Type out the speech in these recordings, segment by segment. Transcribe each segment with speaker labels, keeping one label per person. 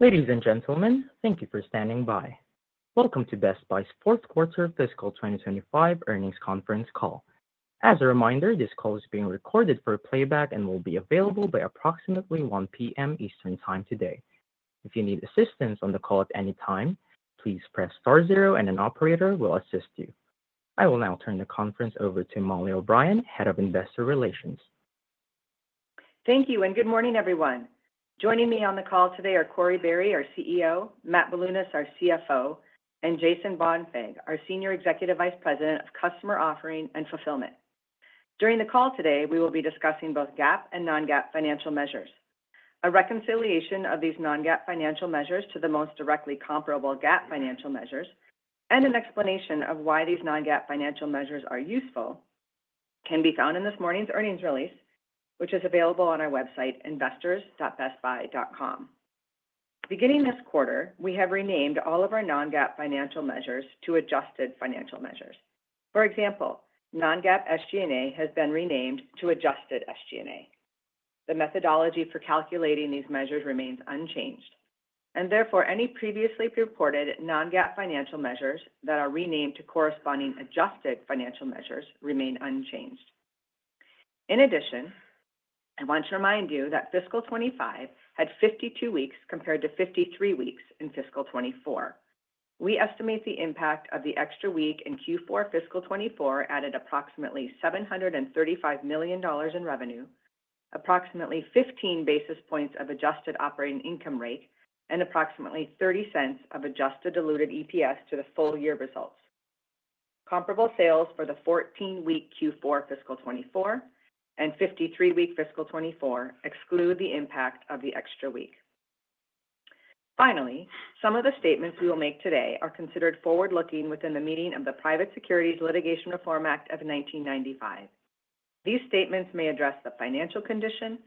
Speaker 1: Ladies and gentlemen, thank you for standing by. Welcome to Best Buy's fourth quarter fiscal 2025 earnings conference call. As a reminder, this call is being recorded for playback and will be available by approximately 1:00 P.M. Eastern Time today. If you need assistance on the call at any time, please press star zero, and an operator will assist you. I will now turn the conference over to Mollie O’Brien, Head of Investor Relations.
Speaker 2: Thank you, and good morning, everyone. Joining me on the call today are Corie Barry, our CEO, Matt Bilunas, our CFO, and Jason Bonfig, our Senior Executive Vice President of Customer Offering and Fulfillment. During the call today, we will be discussing both GAAP and non-GAAP financial measures. A reconciliation of these non-GAAP financial measures to the most directly comparable GAAP financial measures and an explanation of why these non-GAAP financial measures are useful can be found in this morning's earnings release, which is available on our website, investors.bestbuy.com. Beginning this quarter, we have renamed all of our non-GAAP financial measures to adjusted financial measures. For example, non-GAAP SG&A has been renamed to adjusted SG&A. The methodology for calculating these measures remains unchanged, and therefore any previously reported non-GAAP financial measures that are renamed to corresponding adjusted financial measures remain unchanged. In addition, I want to remind you that fiscal 25 had 52 weeks compared to 53 weeks in fiscal 24. We estimate the impact of the extra week in Q4 fiscal 24 added approximately $735 million in revenue, approximately 15 basis points of adjusted operating income rate, and approximately $0.30 of adjusted diluted EPS to the full year results. Comparable sales for the 14-week Q4 fiscal 24 and 53-week fiscal 24 exclude the impact of the extra week. Finally, some of the statements we will make today are considered forward-looking within the meaning of the Private Securities Litigation Reform Act of 1995. These statements may address the financial condition,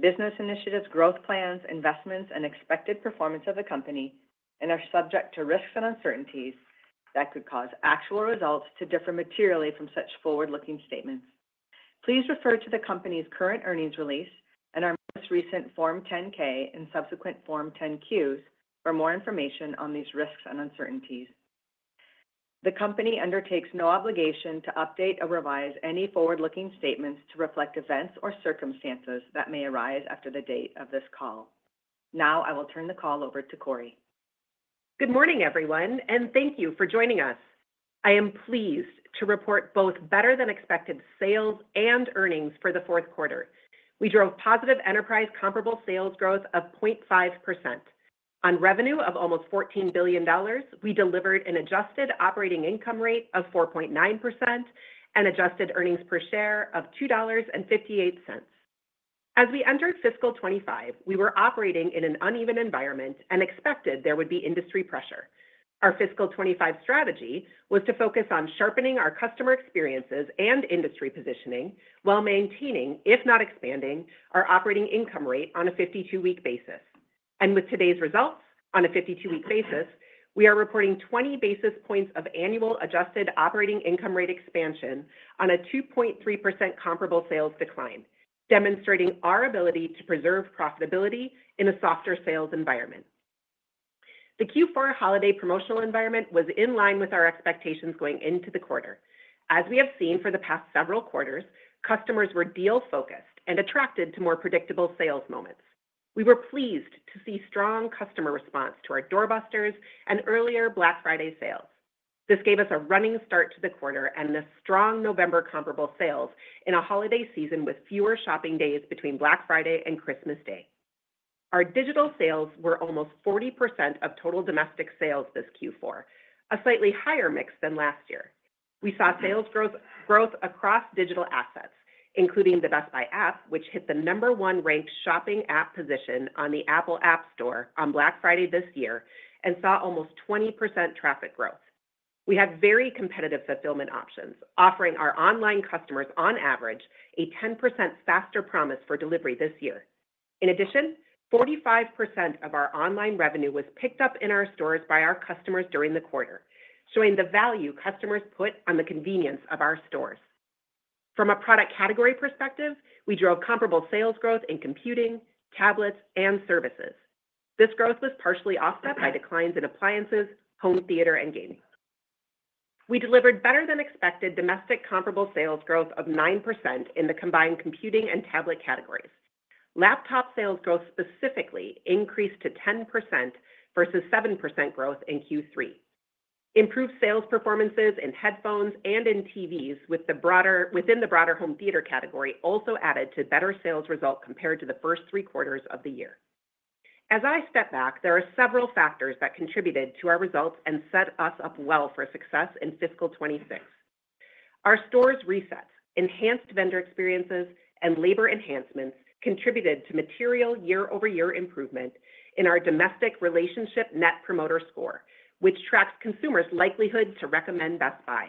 Speaker 2: business initiatives, growth plans, investments, and expected performance of the company, and are subject to risks and uncertainties that could cause actual results to differ materially from such forward-looking statements. Please refer to the company's current earnings release and our most recent Form 10-K and subsequent Form 10-Qs for more information on these risks and uncertainties. The company undertakes no obligation to update or revise any forward-looking statements to reflect events or circumstances that may arise after the date of this call. Now I will turn the call over to Corie.
Speaker 3: Good morning, everyone, and thank you for joining us. I am pleased to report both better-than-expected sales and earnings for the fourth quarter. We drove positive enterprise comparable sales growth of 0.5%. On revenue of almost $14 billion, we delivered an adjusted operating income rate of 4.9% and adjusted earnings per share of $2.58. As we entered fiscal 2025, we were operating in an uneven environment and expected there would be industry pressure. Our fiscal 2025 strategy was to focus on sharpening our customer experiences and industry positioning while maintaining, if not expanding, our operating income rate on a 52-week basis. And with today's results, on a 52-week basis, we are reporting 20 basis points of annual adjusted operating income rate expansion on a 2.3% comparable sales decline, demonstrating our ability to preserve profitability in a softer sales environment. The Q4 holiday promotional environment was in line with our expectations going into the quarter. As we have seen for the past several quarters, customers were deal-focused and attracted to more predictable sales moments. We were pleased to see strong customer response to our doorbusters and earlier Black Friday sales. This gave us a running start to the quarter and the strong November comparable sales in a holiday season with fewer shopping days between Black Friday and Christmas Day. Our digital sales were almost 40% of total domestic sales this Q4, a slightly higher mix than last year. We saw sales growth across digital assets, including the Best Buy app, which hit the number one ranked shopping app position on the Apple App Store on Black Friday this year and saw almost 20% traffic growth. We had very competitive fulfillment options, offering our online customers, on average, a 10% faster promise for delivery this year. In addition, 45% of our online revenue was picked up in our stores by our customers during the quarter, showing the value customers put on the convenience of our stores. From a product category perspective, we drove comparable sales growth in computing, tablets, and services. This growth was partially offset by declines in appliances, home theater, and gaming. We delivered better-than-expected domestic comparable sales growth of 9% in the combined computing and tablet categories. Laptop sales growth specifically increased to 10% versus 7% growth in Q3. Improved sales performances in headphones and in TVs within the broader home theater category also added to better sales results compared to the first three quarters of the year. As I step back, there are several factors that contributed to our results and set us up well for success in fiscal 26. Our stores reset, enhanced vendor experiences, and labor enhancements contributed to material year-over-year improvement in our domestic relationship Net Promoter Score, which tracks consumers' likelihood to recommend Best Buy.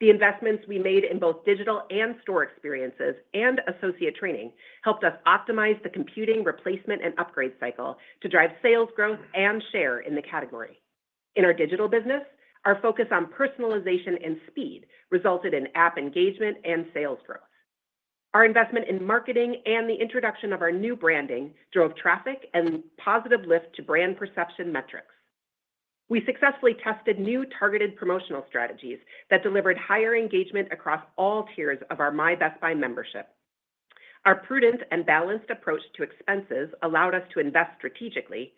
Speaker 3: The investments we made in both digital and store experiences and associate training helped us optimize the computing replacement and upgrade cycle to drive sales growth and share in the category. In our digital business, our focus on personalization and speed resulted in app engagement and sales growth. Our investment in marketing and the introduction of our new branding drove traffic and positive lift to brand perception metrics. We successfully tested new targeted promotional strategies that delivered higher engagement across all tiers of our My Best Buy membership. Our prudent and balanced approach to expenses allowed us to invest strategically,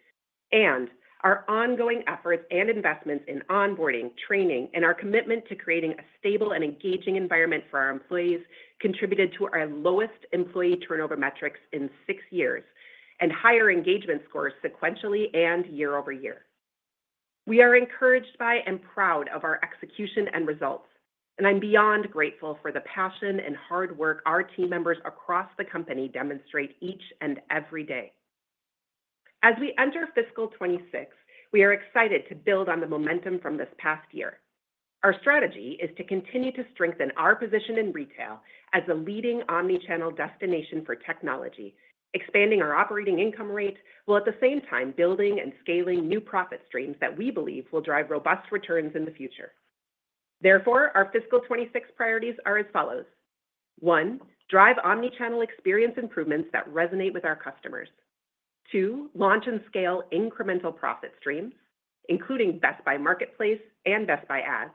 Speaker 3: and our ongoing efforts and investments in onboarding, training, and our commitment to creating a stable and engaging environment for our employees contributed to our lowest employee turnover metrics in six years and higher engagement scores sequentially and year-over-year. We are encouraged by and proud of our execution and results, and I'm beyond grateful for the passion and hard work our team members across the company demonstrate each and every day. As we enter fiscal 2026, we are excited to build on the momentum from this past year. Our strategy is to continue to strengthen our position in retail as a leading omnichannel destination for technology, expanding our operating income rate while at the same time building and scaling new profit streams that we believe will drive robust returns in the future. Therefore, our fiscal 2026 priorities are as follows: one, drive omnichannel experience improvements that resonate with our customers. Two, launch and scale incremental profit streams, including Best Buy Marketplace and Best Buy Ads.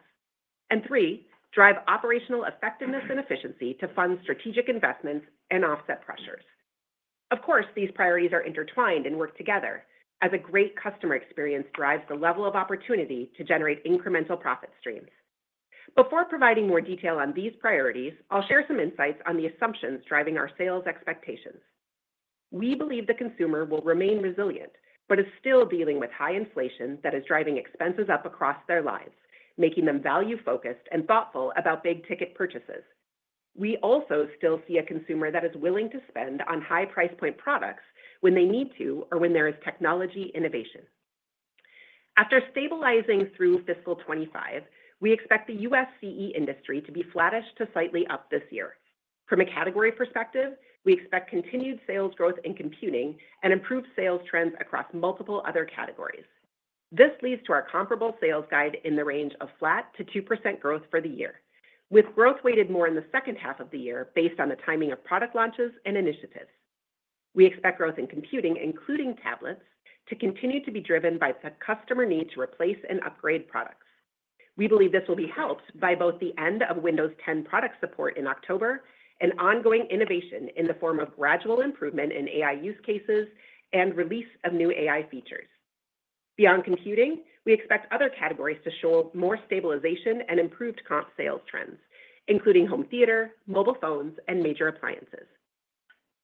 Speaker 3: And three, drive operational effectiveness and efficiency to fund strategic investments and offset pressures. Of course, these priorities are intertwined and work together as a great customer experience drives the level of opportunity to generate incremental profit streams. Before providing more detail on these priorities, I'll share some insights on the assumptions driving our sales expectations. We believe the consumer will remain resilient but is still dealing with high inflation that is driving expenses up across their lives, making them value-focused and thoughtful about big-ticket purchases. We also still see a consumer that is willing to spend on high-price point products when they need to or when there is technology innovation. After stabilizing through fiscal 2025, we expect the U.S. CE industry to be flattish to slightly up this year. From a category perspective, we expect continued sales growth in computing and improved sales trends across multiple other categories. This leads to our comparable sales guide in the range of flat to 2% growth for the year, with growth weighted more in the second half of the year based on the timing of product launches and initiatives. We expect growth in computing, including tablets, to continue to be driven by the customer need to replace and upgrade products. We believe this will be helped by both the end of Windows 10 product support in October and ongoing innovation in the form of gradual improvement in AI use cases and release of new AI features. Beyond computing, we expect other categories to show more stabilization and improved comp sales trends, including home theater, mobile phones, and major appliances.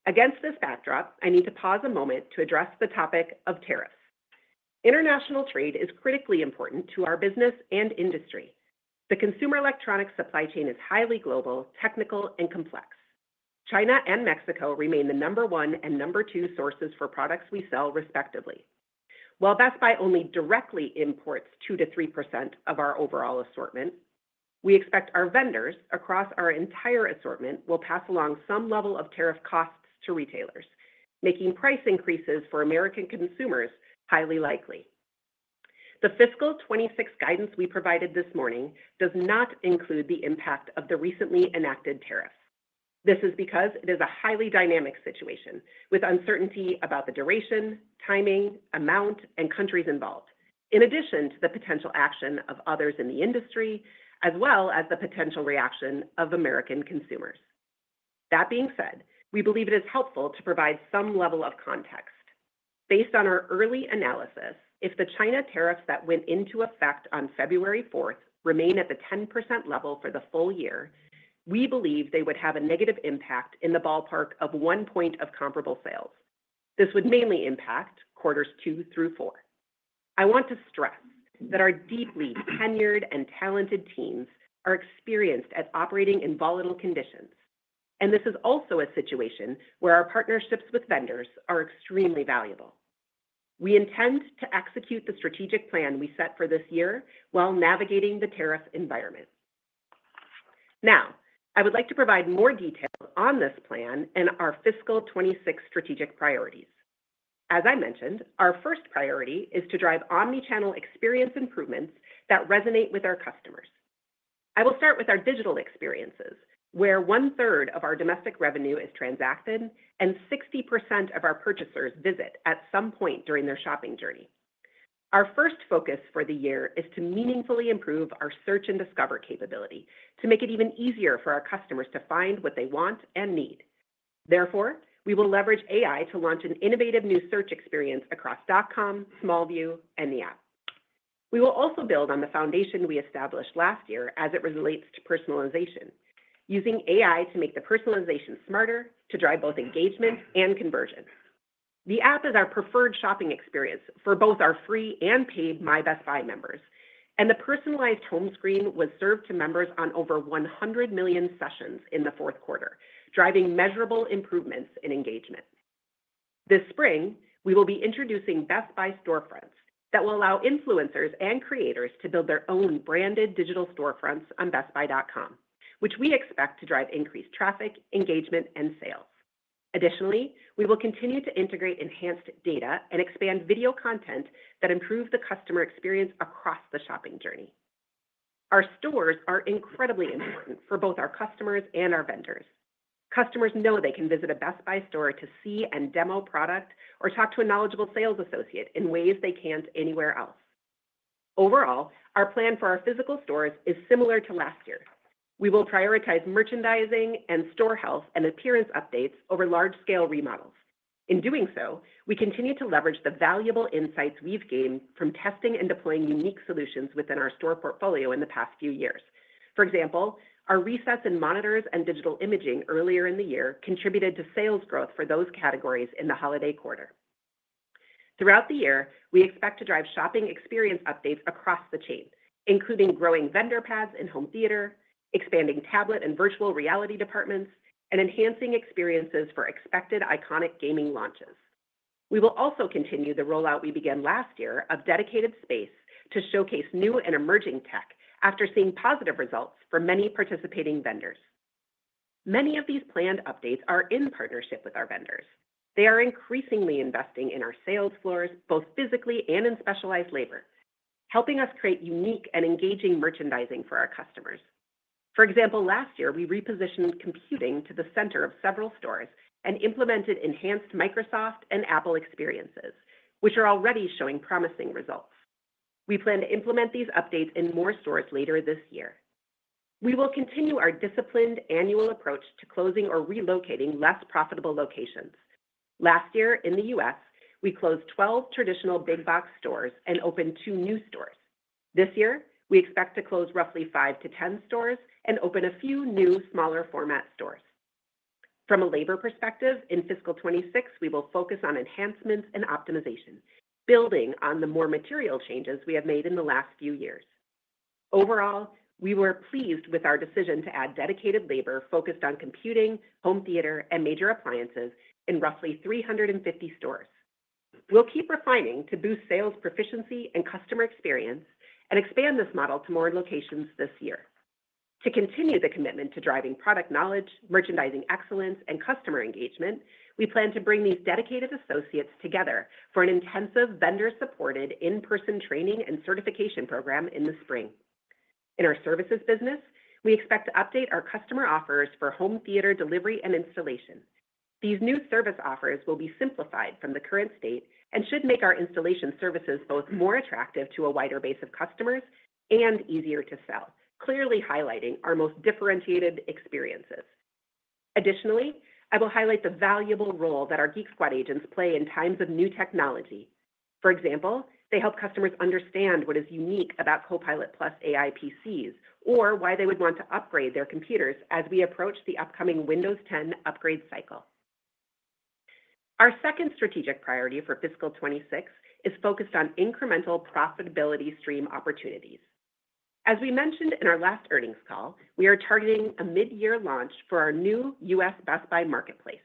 Speaker 3: Against this backdrop, I need to pause a moment to address the topic of tariffs. International trade is critically important to our business and industry. The consumer electronics supply chain is highly global, technical, and complex. China and Mexico remain the number one and number two sources for products we sell respectively. While Best Buy only directly imports 2%-3% of our overall assortment, we expect our vendors across our entire assortment will pass along some level of tariff costs to retailers, making price increases for American consumers highly likely. The fiscal 2026 guidance we provided this morning does not include the impact of the recently enacted tariffs. This is because it is a highly dynamic situation with uncertainty about the duration, timing, amount, and countries involved, in addition to the potential action of others in the industry, as well as the potential reaction of American consumers. That being said, we believe it is helpful to provide some level of context. Based on our early analysis, if the China tariffs that went into effect on February 4th remain at the 10% level for the full year, we believe they would have a negative impact in the ballpark of one point of comparable sales. This would mainly impact quarters two through four. I want to stress that our deeply tenured and talented teams are experienced at operating in volatile conditions, and this is also a situation where our partnerships with vendors are extremely valuable. We intend to execute the strategic plan we set for this year while navigating the tariff environment. Now, I would like to provide more detail on this plan and our fiscal 2026 strategic priorities. As I mentioned, our first priority is to drive omnichannel experience improvements that resonate with our customers. I will start with our digital experiences, where one third of our domestic revenue is transacted and 60% of our purchasers visit at some point during their shopping journey. Our first focus for the year is to meaningfully improve our search and discover capability to make it even easier for our customers to find what they want and need. Therefore, we will leverage AI to launch an innovative new search expe rience across dot com, Smallview, and the app. We will also build on the foundation we established last year as it relates to personalization, using AI to make the personalization smarter to drive both engagement and conversion. The app is our preferred shopping experience for both our free and paid My Best Buy members, and the personalized home screen was served to members on over 100 million sessions in the fourth quarter, driving measurable improvements in engagement. This spring, we will be introducing Best Buy Storefronts that will allow influencers and creators to build their own branded digital storefronts on BestBuy.com, which we expect to drive increased traffic, engagement, and sales. Additionally, we will continue to integrate enhanced data and expand video content that improves the customer experience across the shopping journey. Our stores are incredibly important for both our customers and our vendors. Customers know they can visit a Best Buy store to see and demo product or talk to a knowledgeable sales associate in ways they can't anywhere else. Overall, our plan for our physical stores is similar to last year. We will prioritize merchandising and store health and appearance updates over large-scale remodels. In doing so, we continue to leverage the valuable insights we've gained from testing and deploying unique solutions within our store portfolio in the past few years. For example, our resets and monitors and digital imaging earlier in the year contributed to sales growth for those categories in the holiday quarter. Throughout the year, we expect to drive shopping experience updates across the chain, including growing vendor pads in home theater, expanding tablet and virtual reality departments, and enhancing experiences for expected iconic gaming launches. We will also continue the rollout we began last year of dedicated space to showcase new and emerging tech after seeing positive results for many participating vendors. Many of these planned updates are in partnership with our vendors. They are increasingly investing in our sales floors, both physically and in specialized labor, helping us create unique and engaging merchandising for our customers. For example, last year, we repositioned computing to the center of several stores and implemented enhanced Microsoft and Apple experiences, which are already showing promising results. We plan to implement these updates in more stores later this year. We will continue our disciplined annual approach to closing or relocating less profitable locations. Last year, in the U.S., we closed 12 traditional big box stores and opened two new stores. This year, we expect to close roughly 5-10 stores and open a few new smaller format stores. From a labor perspective, in fiscal 2026, we will focus on enhancements and optimization, building on the more material changes we have made in the last few years. Overall, we were pleased with our decision to add dedicated labor focused on computing, home theater, and major appliances in roughly 350 stores. We'll keep refining to boost sales proficiency and customer experience and expand this model to more locations this year. To continue the commitment to driving product knowledge, merchandising excellence, and customer engagement, we plan to bring these dedicated associates together for an intensive vendor-supported in-person training and certification program in the spring. In our services business, we expect to update our customer offers for home theater delivery and installation. These new service offers will be simplified from the current state and should make our installation services both more attractive to a wider base of customers and easier to sell, clearly highlighting our most differentiated experiences. Additionally, I will highlight the valuable role that our Geek Squad agents play in times of new technology. For example, they help customers understand what is unique about Copilot+ AI PCs or why they would want to upgrade their computers as we approach the upcoming Windows 10 upgrade cycle. Our second strategic priority for fiscal 2026 is focused on incremental profitability stream opportunities. As we mentioned in our last earnings call, we are targeting a mid-year launch for our new U.S. Best Buy Marketplace.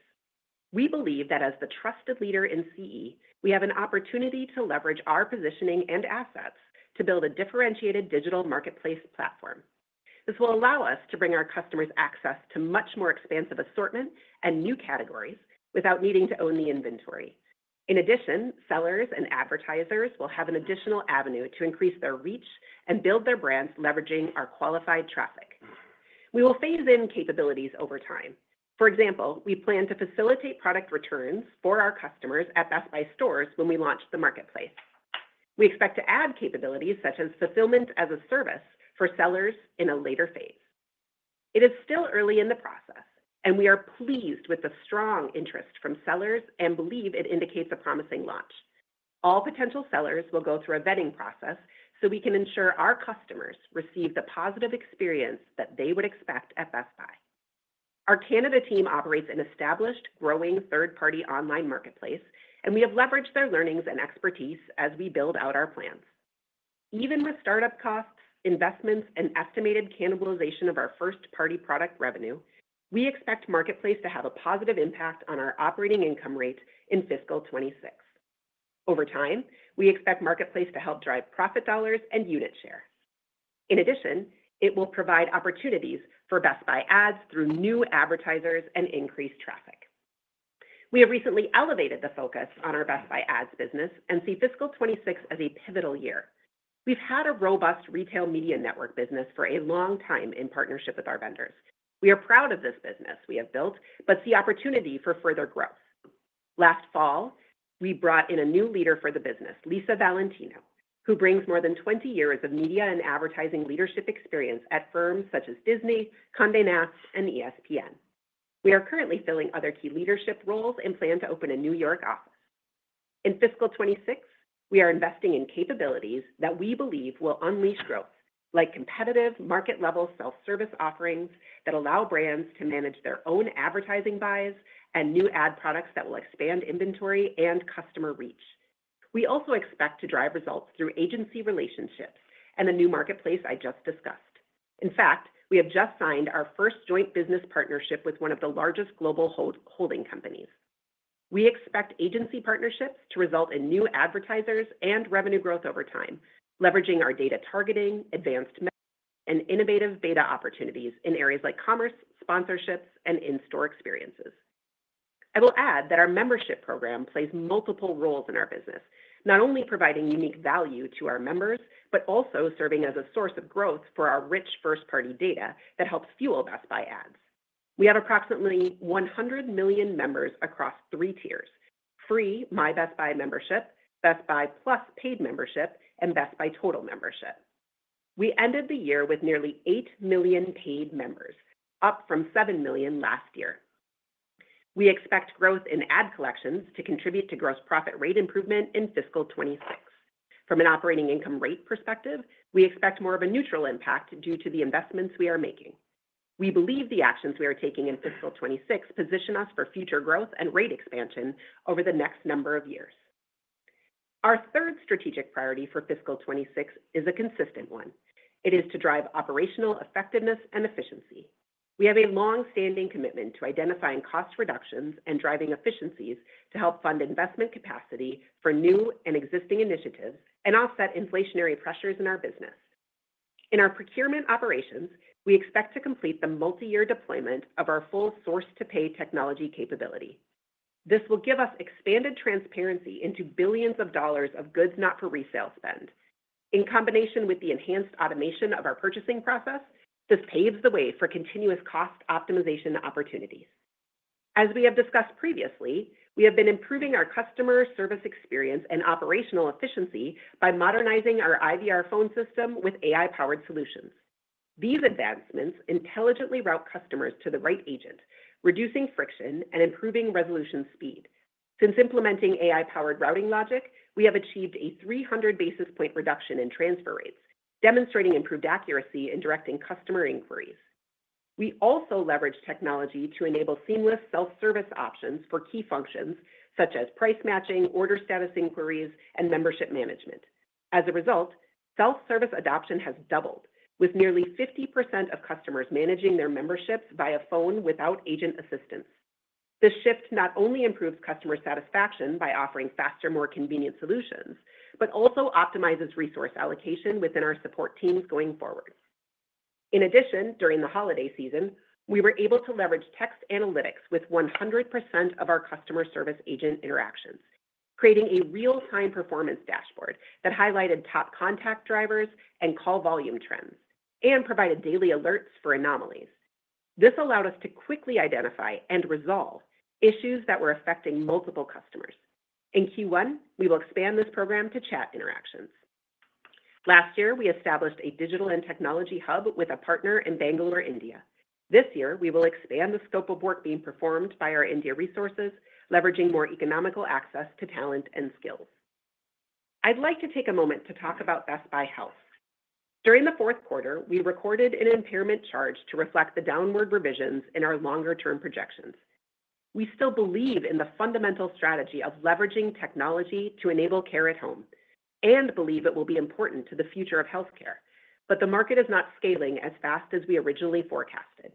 Speaker 3: We believe that as the trusted leader in CE, we have an opportunity to leverage our positioning and assets to build a differentiated digital Marketplace platform. This will allow us to bring our customers access to much more expansive assortment and new categories without needing to own the inventory. In addition, sellers and advertisers will have an additional avenue to increase their reach and build their brands leveraging our qualified traffic. We will phase in capabilities over time. For example, we plan to facilitate product returns for our customers at Best Buy stores when we launch the Marketplace. We expect to add capabilities such as fulfillment as a service for sellers in a later phase. It is still early in the process, and we are pleased with the strong interest from sellers and believe it indicates a promising launch. All potential sellers will go through a vetting process so we can ensure our customers receive the positive experience that they would expect at Best Buy. Our Canada team operates an established, growing third-party online Marketplace, and we have leveraged their learnings and expertise as we build out our plans. Even with startup costs, investments, and estimated cannibalization of our first-party product revenue, we expect Marketplace to have a positive impact on our operating income rate in fiscal 2026. Over time, we expect Marketplace to help drive profit dollars and unit share. In addition, it will provide opportunities for Best Buy Ads through new advertisers and increased traffic. We have recently elevated the focus on our Best Buy Ads business and see fiscal 2026 as a pivotal year. We've had a robust retail media network business for a long time in partnership with our vendors. We are proud of this business we have built but see opportunity for further growth. Last fall, we brought in a new leader for the business, Lisa Valentino, who brings more than 20 years of media and advertising leadership experience at firms such as Disney, Condé Nast, and ESPN. We are currently filling other key leadership roles and plan to open a New York office. In fiscal 2026, we are investing in capabilities that we believe will unleash growth, like competitive market-level self-service offerings that allow brands to manage their own advertising buys and new ad products that will expand inventory and customer reach. We also expect to drive results through agency relationships and the new marketplace I just discussed. In fact, we have just signed our first joint business partnership with one of the largest global holding companies. We expect agency partnerships to result in new advertisers and revenue growth over time, leveraging our data targeting, advanced, and innovative beta opportunities in areas like commerce, sponsorships, and in-store experiences. I will add that our membership program plays multiple roles in our business, not only providing unique value to our members, but also serving as a source of growth for our rich first-party data that helps fuel Best Buy Ads. We have approximately 100 million members across three tiers: free My Best Buy membership, Best Buy Plus paid membership, and Best Buy Total membership. We ended the year with nearly 8 million paid members, up from 7 million last year. We expect growth in ad collections to contribute to gross profit rate improvement in fiscal 26. From an operating income rate perspective, we expect more of a neutral impact due to the investments we are making. We believe the actions we are taking in fiscal 2026 position us for future growth and rate expansion over the next number of years. Our third strategic priority for fiscal 2026 is a consistent one. It is to drive operational effectiveness and efficiency. We have a long-standing commitment to identifying cost reductions and driving efficiencies to help fund investment capacity for new and existing initiatives and offset inflationary pressures in our business. In our procurement operations, we expect to complete the multi-year deployment of our full source-to-pay technology capability. This will give us expanded transparency into billions of dollars of goods not-for-resale spend. In combination with the enhanced automation of our purchasing process, this paves the way for continuous cost optimization opportunities. As we have discussed previously, we have been improving our customer service experience and operational efficiency by modernizing our IVR phone system with AI-powered solutions. These advancements intelligently route customers to the right agent, reducing friction and improving resolution speed. Since implementing AI-powered routing logic, we have achieved a 300 basis point reduction in transfer rates, demonstrating improved accuracy in directing customer inquiries. We also leverage technology to enable seamless self-service options for key functions such as price matching, order status inquiries, and membership management. As a result, self-service adoption has doubled, with nearly 50% of customers managing their memberships via phone without agent assistance. This shift not only improves customer satisfaction by offering faster, more convenient solutions, but also optimizes resource allocation within our support teams going forward. In addition, during the holiday season, we were able to leverage text analytics with 100% of our customer service agent interactions, creating a real-time performance dashboard that highlighted top contact drivers and call volume trends and provided daily alerts for anomalies. This allowed us to quickly identify and resolve issues that were affecting multiple customers. In Q1, we will expand this program to chat interactions. Last year, we established a digital and technology hub with a partner in Bangalore, India. This year, we will expand the scope of work being performed by our India resources, leveraging more economical access to talent and skills. I'd like to take a moment to talk about Best Buy Health. During the fourth quarter, we recorded an impairment charge to reflect the downward revisions in our longer-term projections. We still believe in the fundamental strategy of leveraging technology to enable care at home and believe it will be important to the future of healthcare, but the market is not scaling as fast as we originally forecasted.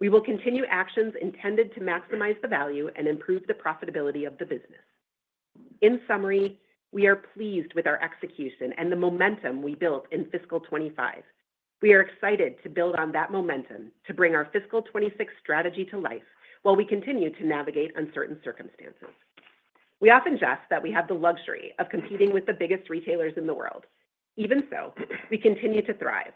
Speaker 3: We will continue actions intended to maximize the value and improve the profitability of the business. In summary, we are pleased with our execution and the momentum we built in fiscal 25. We are excited to build on that momentum to bring our fiscal 26 strategy to life while we continue to navigate uncertain circumstances. We often jest that we have the luxury of competing with the biggest retailers in the world. Even so, we continue to thrive.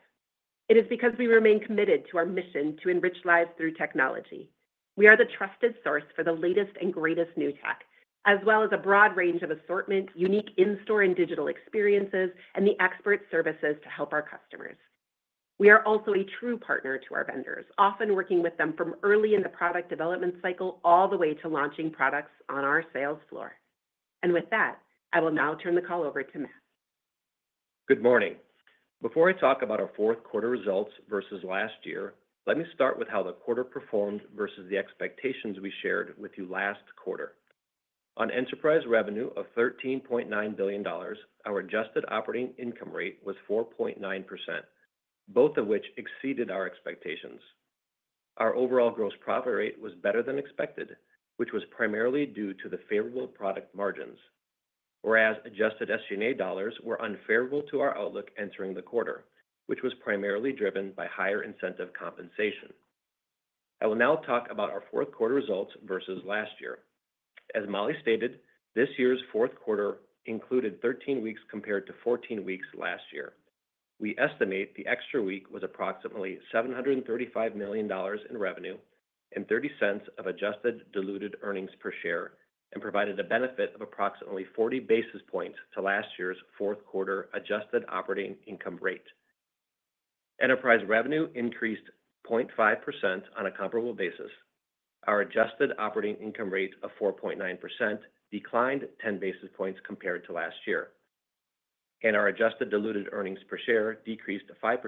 Speaker 3: It is because we remain committed to our mission to enrich lives through technology. We are the trusted source for the latest and greatest new tech, as well as a broad range of assortment, unique in-store and digital experiences, and the expert services to help our customers. We are also a true partner to our vendors, often working with them from early in the product development cycle all the way to launching products on our sales floor. With that, I will now turn the call over to Matt.
Speaker 4: Good morning. Before I talk about our fourth quarter results versus last year, let me start with how the quarter performed versus the expectations we shared with you last quarter. On enterprise revenue of $13.9 billion, our adjusted operating income rate was 4.9%, both of which exceeded our expectations. Our overall gross profit rate was better than expected, which was primarily due to the favorable product margins, whereas adjusted SG&A dollars were unfavorable to our outlook entering the quarter, which was primarily driven by higher incentive compensation. I will now talk about our fourth quarter results versus last year. As Mollie stated, this year's fourth quarter included 13 weeks compared to 14 weeks last year. We estimate the extra week was approximately $735 million in revenue and $0.30 of adjusted diluted earnings per share and provided a benefit of approximately 40 basis points to last year's fourth quarter adjusted operating income rate. Enterprise revenue increased 0.5% on a comparable basis. Our adjusted operating income rate of 4.9% declined 10 basis points compared to last year, and our adjusted diluted earnings per share decreased 5%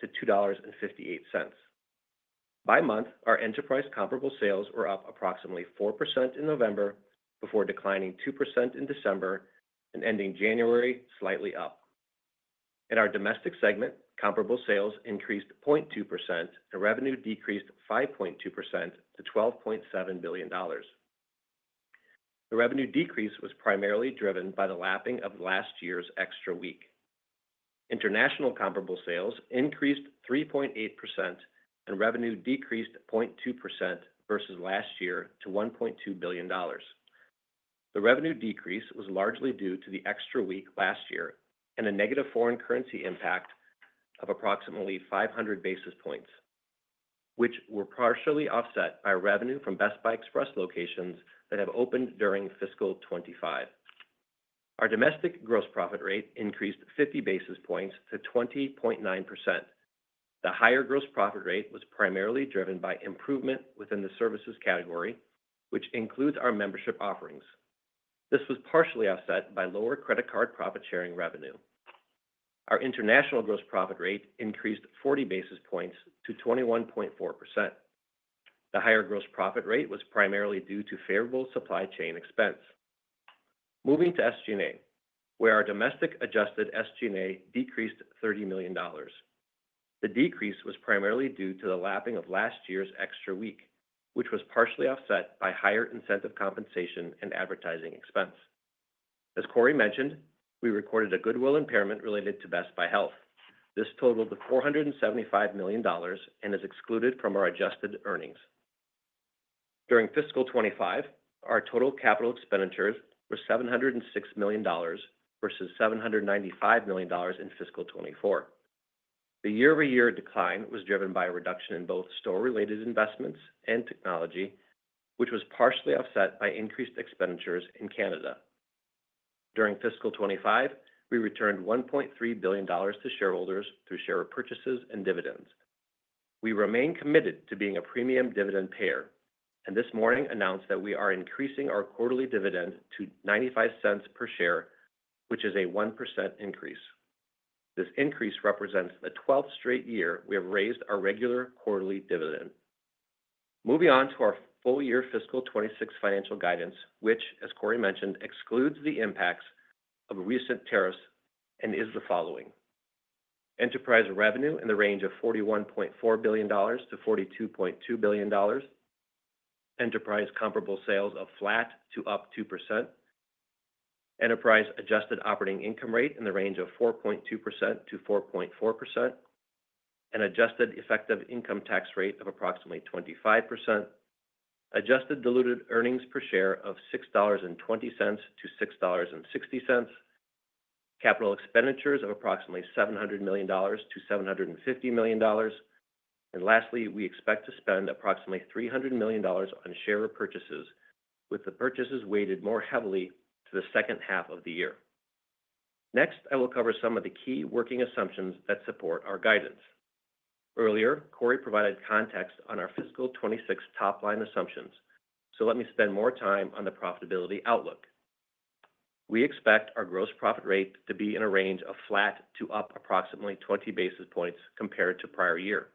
Speaker 4: to $2.58. By month, our enterprise comparable sales were up approximately 4% in November before declining 2% in December and ending January slightly up. In our domestic segment, comparable sales increased 0.2% and revenue decreased 5.2% to $12.7 billion. The revenue decrease was primarily driven by the lapping of last year's extra week. International comparable sales increased 3.8% and revenue decreased 0.2% versus last year to $1.2 billion. The revenue decrease was largely due to the extra week last year and a negative foreign currency impact of approximately 500 basis points, which were partially offset by revenue from Best Buy Express locations that have opened during fiscal 2025. Our domestic gross profit rate increased 50 basis points to 20.9%. The higher gross profit rate was primarily driven by improvement within the services category, which includes our membership offerings. This was partially offset by lower credit card profit-sharing revenue. Our international gross profit rate increased 40 basis points to 21.4%. The higher gross profit rate was primarily due to favorable supply chain expense. Moving to SG&A, where our domestic adjusted SG&A decreased $30 million. The decrease was primarily due to the lapping of last year's extra week, which was partially offset by higher incentive compensation and advertising expense. As Corie mentioned, we recorded a goodwill impairment related to Best Buy Health. This totaled $475 million and is excluded from our adjusted earnings. During fiscal 25, our total capital expenditures were $706 million versus $795 million in fiscal 24. The year-over-year decline was driven by a reduction in both store-related investments and technology, which was partially offset by increased expenditures in Canada. During fiscal 25, we returned $1.3 billion to shareholders through share purchases and dividends. We remain committed to being a premium dividend payer and this morning announced that we are increasing our quarterly dividend to $0.95 per share, which is a 1% increase. This increase represents the 12th straight year we have raised our regular quarterly dividend. Moving on to our full-year fiscal 2026 financial guidance, which, as Corie mentioned, excludes the impacts of recent tariffs and is the following: enterprise revenue in the range of $41.4 billion-$42.2 billion, enterprise comparable sales of flat to up 2%, enterprise adjusted operating income rate in the range of 4.2%-4.4%, an adjusted effective income tax rate of approximately 25%, adjusted diluted earnings per share of $6.20-$6.60, capital expenditures of approximately $700 million-$750 million, and lastly, we expect to spend approximately $300 million on share purchases, with the purchases weighted more heavily to the second half of the year. Next, I will cover some of the key working assumptions that support our guidance. Earlier, Corie provided context on our fiscal 2026 top line assumptions, so let me spend more time on the profitability outlook. We expect our gross profit rate to be in a range of flat to up approximately 20 basis points compared to prior year.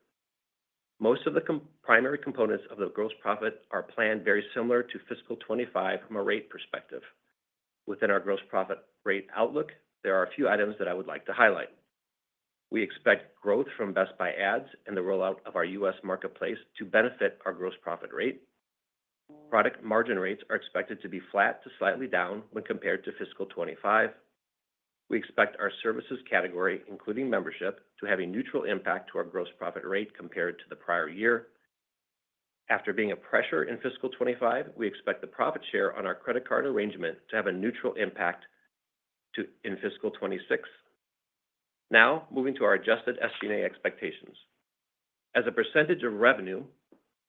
Speaker 4: Most of the primary components of the gross profit are planned very similar to fiscal 2025 from a rate perspective. Within our gross profit rate outlook, there are a few items that I would like to highlight. We expect growth from Best Buy Ads and the rollout of our U.S. Marketplace to benefit our gross profit rate. Product margin rates are expected to be flat to slightly down when compared to fiscal 2025. We expect our services category, including membership, to have a neutral impact to our gross profit rate compared to the prior year. After being a pressure in fiscal 2025, we expect the profit share on our credit card arrangement to have a neutral impact in fiscal 2026. Now, moving to our Adjusted SG&A expectations. As a percentage of revenue,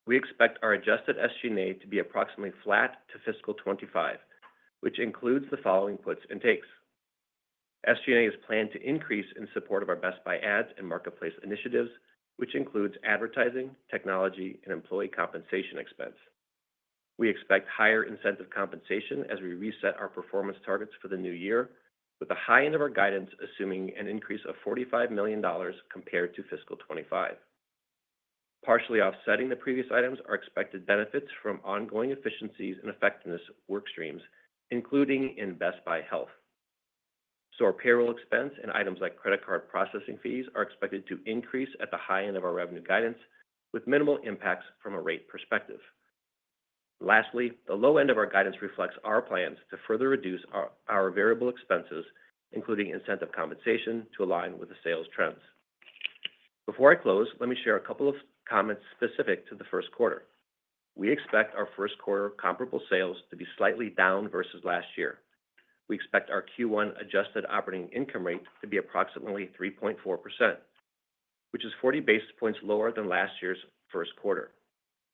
Speaker 4: we expect our Adjusted SG&A to be approximately flat to fiscal 25, which includes the following puts and takes. SG&A is planned to increase in support of our Best Buy Ads and Marketplace initiatives, which includes advertising, technology, and employee compensation expense. We expect higher incentive compensation as we reset our performance targets for the new year, with the high end of our guidance assuming an increase of $45 million compared to fiscal 25. Partially offsetting the previous items are expected benefits from ongoing efficiencies and effectiveness work streams, including in Best Buy Health. So, our payroll expense and items like credit card processing fees are expected to increase at the high end of our revenue guidance, with minimal impacts from a rate perspective. Lastly, the low end of our guidance reflects our plans to further reduce our variable expenses, including incentive compensation, to align with the sales trends. Before I close, let me share a couple of comments specific to the first quarter. We expect our first quarter comparable sales to be slightly down versus last year. We expect our Q1 adjusted operating income rate to be approximately 3.4%, which is 40 basis points lower than last year's first quarter.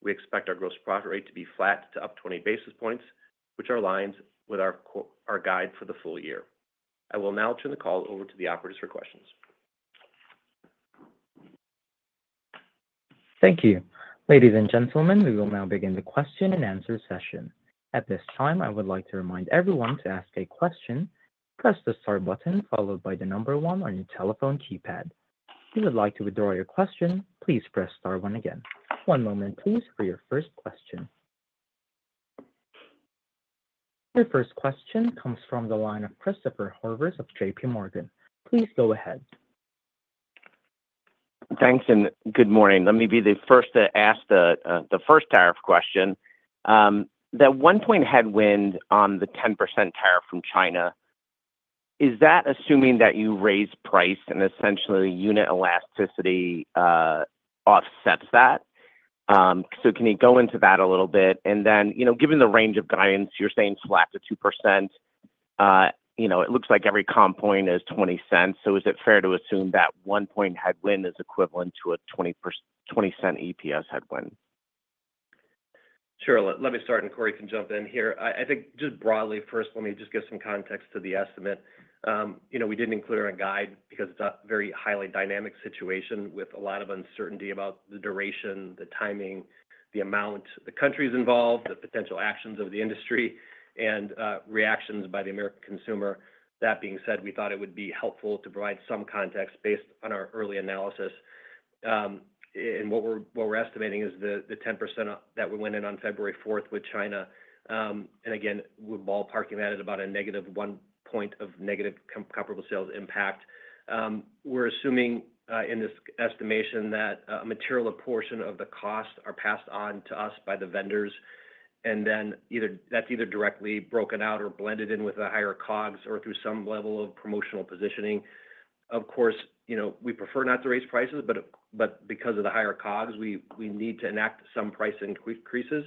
Speaker 4: We expect our gross profit rate to be flat to up 20 basis points, which aligns with our guide for the full year. I will now turn the call over to the operators for questions.
Speaker 1: Thank you. Ladies and gentlemen, we will now begin the question and answer session. At this time, I would like to remind everyone to ask a question, press the star button followed by the number one on your telephone keypad. If you would like to withdraw your question, please press star one again. One moment, please, for your first question. Your first question comes from the line of Christopher Horvers of J.P. Morgan. Please go ahead.
Speaker 5: Thanks, and good morning. Let me be the first to ask the first tariff question. That one-point headwind on the 10% tariff from China, is that assuming that you raise price and essentially unit elasticity offsets that? So can you go into that a little bit? And then, you know, given the range of guidance, you're saying flat to 2%, you know, it looks like every comp point is 20 cents. So is it fair to assume that one-point headwind is equivalent to a 20-cent EPS headwind?
Speaker 4: Sure. Let me start, and Corie can jump in here. I think just broadly, first, let me just give some context to the estimate. You know, we didn't include our guide because it's a very highly dynamic situation with a lot of uncertainty about the duration, the timing, the amount, the countries involved, the potential actions of the industry, and reactions by the American consumer. That being said, we thought it would be helpful to provide some context based on our early analysis. And what we're estimating is the 10% that we went in on February 4th with China. And again, we're ballparking that at about a negative one point of negative comparable sales impact. We're assuming in this estimation that a material portion of the costs are passed on to us by the vendors, and then that's either directly broken out or blended in with a higher COGS or through some level of promotional positioning. Of course, you know, we prefer not to raise prices, but because of the higher COGS, we need to enact some price increases,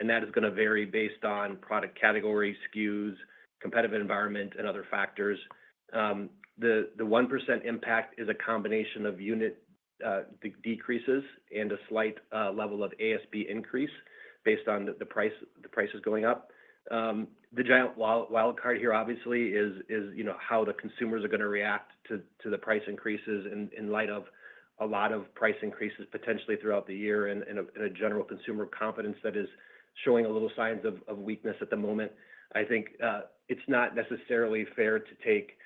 Speaker 4: and that is going to vary based on product category, SKUs, competitive environment, and other factors. The 1% impact is a combination of unit decreases and a slight level of ASP increase based on the prices going up. The giant wildcard here, obviously, is how the consumers are going to react to the price increases in light of a lot of price increases potentially throughout the year and a general consumer confidence that is showing a little signs of weakness at the moment. I think it's not necessarily fair to take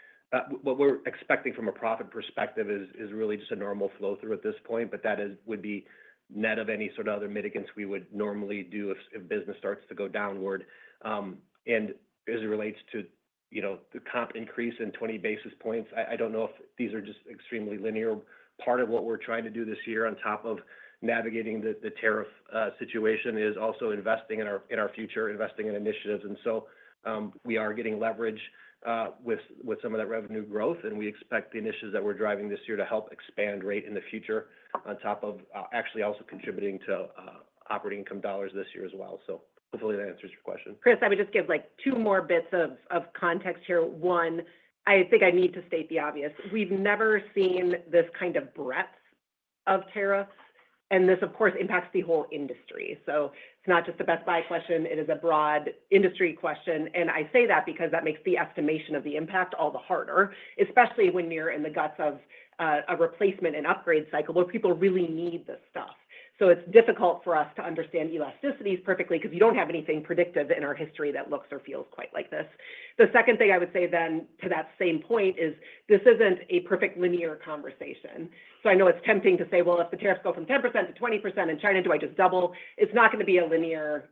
Speaker 4: what we're expecting from a profit perspective is really just a normal flow through at this point, but that would be net of any sort of other mitigants we would normally do if business starts to go downward, and as it relates to, you know, the comp increase in 20 basis points, I don't know if these are just extremely linear, part of what we're trying to do this year on top of navigating the tariff situation is also investing in our future, investing in initiatives, and so we are getting leverage with some of that revenue growth, and we expect the initiatives that we're driving this year to help expand rate in the future on top of actually also contributing to operating income dollars this year as well, so hopefully that answers your question.
Speaker 3: Chris, I would just give like two more bits of context here. One, I think I need to state the obvious. We've never seen this kind of breadth of tariffs, and this, of course, impacts the whole industry. So it's not just the Best Buy question. It is a broad industry question. And I say that because that makes the estimation of the impact all the harder, especially when you're in the guts of a replacement and upgrade cycle where people really need this stuff. So it's difficult for us to understand elasticities perfectly because you don't have anything predictive in our history that looks or feels quite like this. The second thing I would say then to that same point is this isn't a perfect linear conversation. So I know it's tempting to say, well, if the tariffs go from 10%-20% in China, do I just double? It's not going to be a linear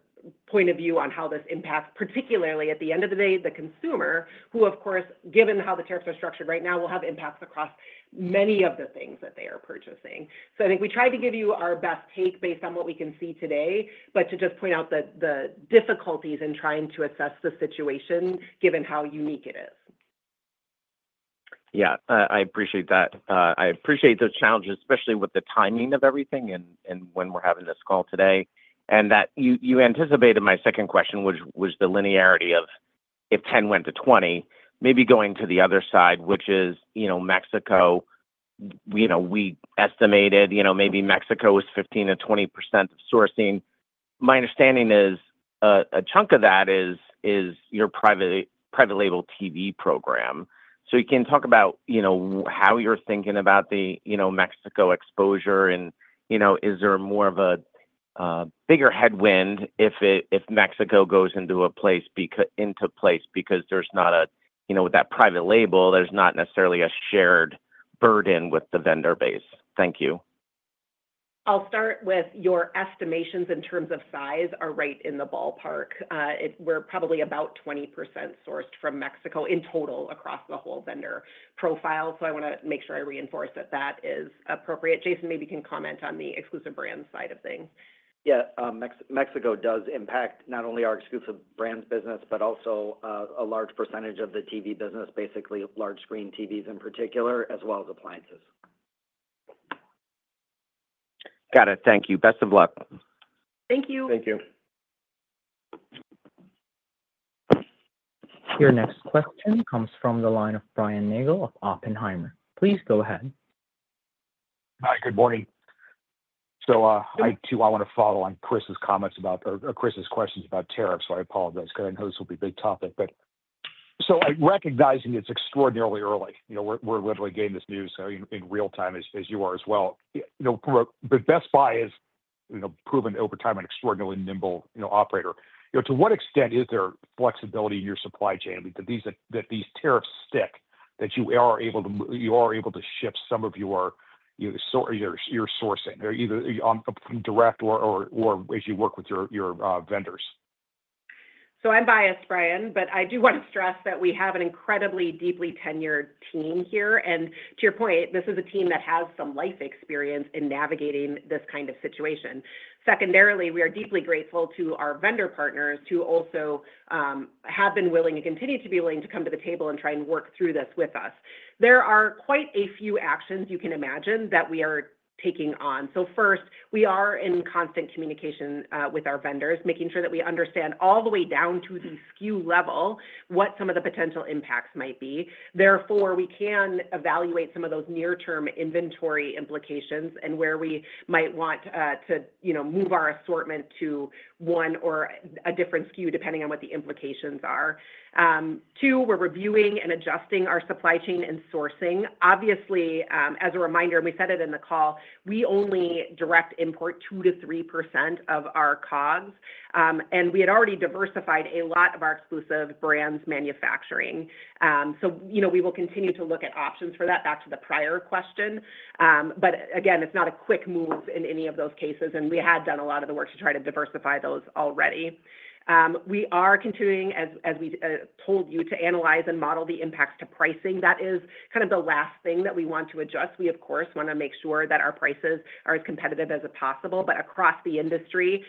Speaker 3: point of view on how this impacts, particularly at the end of the day, the consumer, who, of course, given how the tariffs are structured right now, will have impacts across many of the things that they are purchasing. So I think we tried to give you our best take based on what we can see today, but to just point out the difficulties in trying to assess the situation given how unique it is.
Speaker 5: Yeah, I appreciate that. I appreciate those challenges, especially with the timing of everything and when we're having this call today. And that you anticipated my second question, which was the linearity of if 10% went to 20%, maybe going to the other side, which is, you know, Mexico, you know, we estimated, you know, maybe Mexico was 15%-20% of sourcing.
Speaker 4: My understanding is a chunk of that is your private label TV program. So you can talk about, you know, how you're thinking about the, you know, Mexico exposure and, you know, is there more of a bigger headwind if Mexico goes into a place because there's not a, you know, with that private label, there's not necessarily a shared burden with the vendor base. Thank you.
Speaker 3: I'll start with your estimations in terms of size are right in the ballpark. We're probably about 20% sourced from Mexico in total across the whole vendor profile. So I want to make sure I reinforce that that is appropriate. Jason maybe can comment on the exclusive brand side of things.
Speaker 6: Yeah, Mexico does impact not only our exclusive brand business, but also a large percentage of the TV business, basically large screen TVs in particular, as well as appliances.
Speaker 5: Got it. Thank you. Best of luck.
Speaker 3: Thank you.
Speaker 4: Thank you.
Speaker 1: Your next question comes from the line of Brian Nagel of Oppenheimer. Please go ahead.
Speaker 7: Hi, good morning. So I too want to follow on Chris's comments about Chris's questions about tariffs. So I apologize because I know this will be a big topic, but so recognizing it's extraordinarily early, you know, we're literally getting this news in real time as you are as well. You know, the Best Buy is, you know, proven over time an extraordinarily nimble, you know, operator. You know, to what extent is there flexibility in your supply chain that these tariffs stick, that you are able to shift some of your sourcing either direct or as you work with your vendors?
Speaker 3: So I'm biased, Brian, but I do want to stress that we have an incredibly deeply tenured team here. To your point, this is a team that has some life experience in navigating this kind of situation. Secondarily, we are deeply grateful to our vendor partners who also have been willing and continue to be willing to come to the table and try and work through this with us. There are quite a few actions you can imagine that we are taking on. First, we are in constant communication with our vendors, making sure that we understand all the way down to the SKU level what some of the potential impacts might be. Therefore, we can evaluate some of those near-term inventory implications and where we might want to, you know, move our assortment to one or a different SKU depending on what the implications are. Two, we're reviewing and adjusting our supply chain and sourcing. Obviously, as a reminder, and we said it in the call, we only direct import 2%-3% of our COGS, and we had already diversified a lot of our exclusive brands manufacturing. So, you know, we will continue to look at options for that back to the prior question. But again, it's not a quick move in any of those cases, and we had done a lot of the work to try to diversify those already. We are continuing, as we told you, to analyze and model the impacts to pricing. That is kind of the last thing that we want to adjust. We, of course, want to make sure that our prices are as competitive as possible, but across the industry,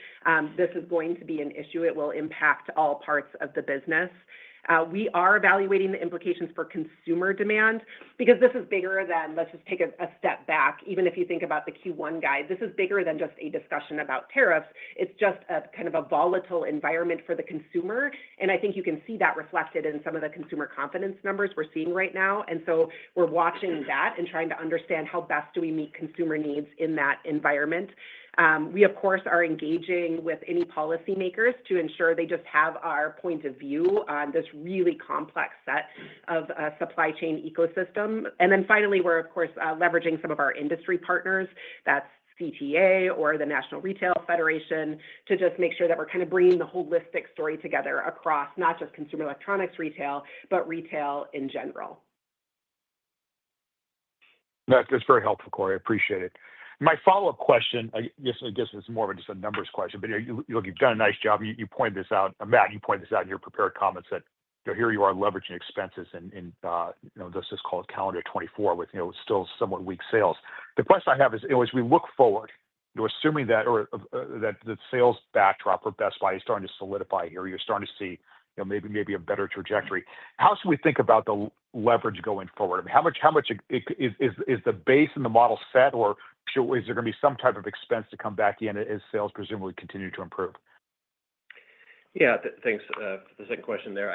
Speaker 3: this is going to be an issue. It will impact all parts of the business. We are evaluating the implications for consumer demand because this is bigger than, let's just take a step back. Even if you think about the Q1 guide, this is bigger than just a discussion about tariffs. It's just a kind of a volatile environment for the consumer. And I think you can see that reflected in some of the consumer confidence numbers we're seeing right now. And so we're watching that and trying to understand how best do we meet consumer needs in that environment. We, of course, are engaging with any policymakers to ensure they just have our point of view on this really complex set of supply chain ecosystem. And then finally, we're, of course, leveraging some of our industry partners, that's CTA or the National Retail Federation, to just make sure that we're kind of bringing the holistic story together across not just consumer electronics retail, but retail in general.
Speaker 7: That's very helpful, Corie. I appreciate it. My follow-up question, I guess it's more of just a numbers question, but you've done a nice job. You pointed this out, Matt, you pointed this out in your prepared comments that here you are leveraging expenses in, you know, this is called calendar 2024 with, you know, still somewhat weak sales. The question I have is, as we look forward, you're assuming that the sales backdrop for Best Buy is starting to solidify here. You're starting to see, you know, maybe a better trajectory. How should we think about the leverage going forward? I mean, how much is the base in the model set or is there going to be some type of expense to come back in as sales presumably continue to improve?
Speaker 4: Yeah, thanks for the second question there.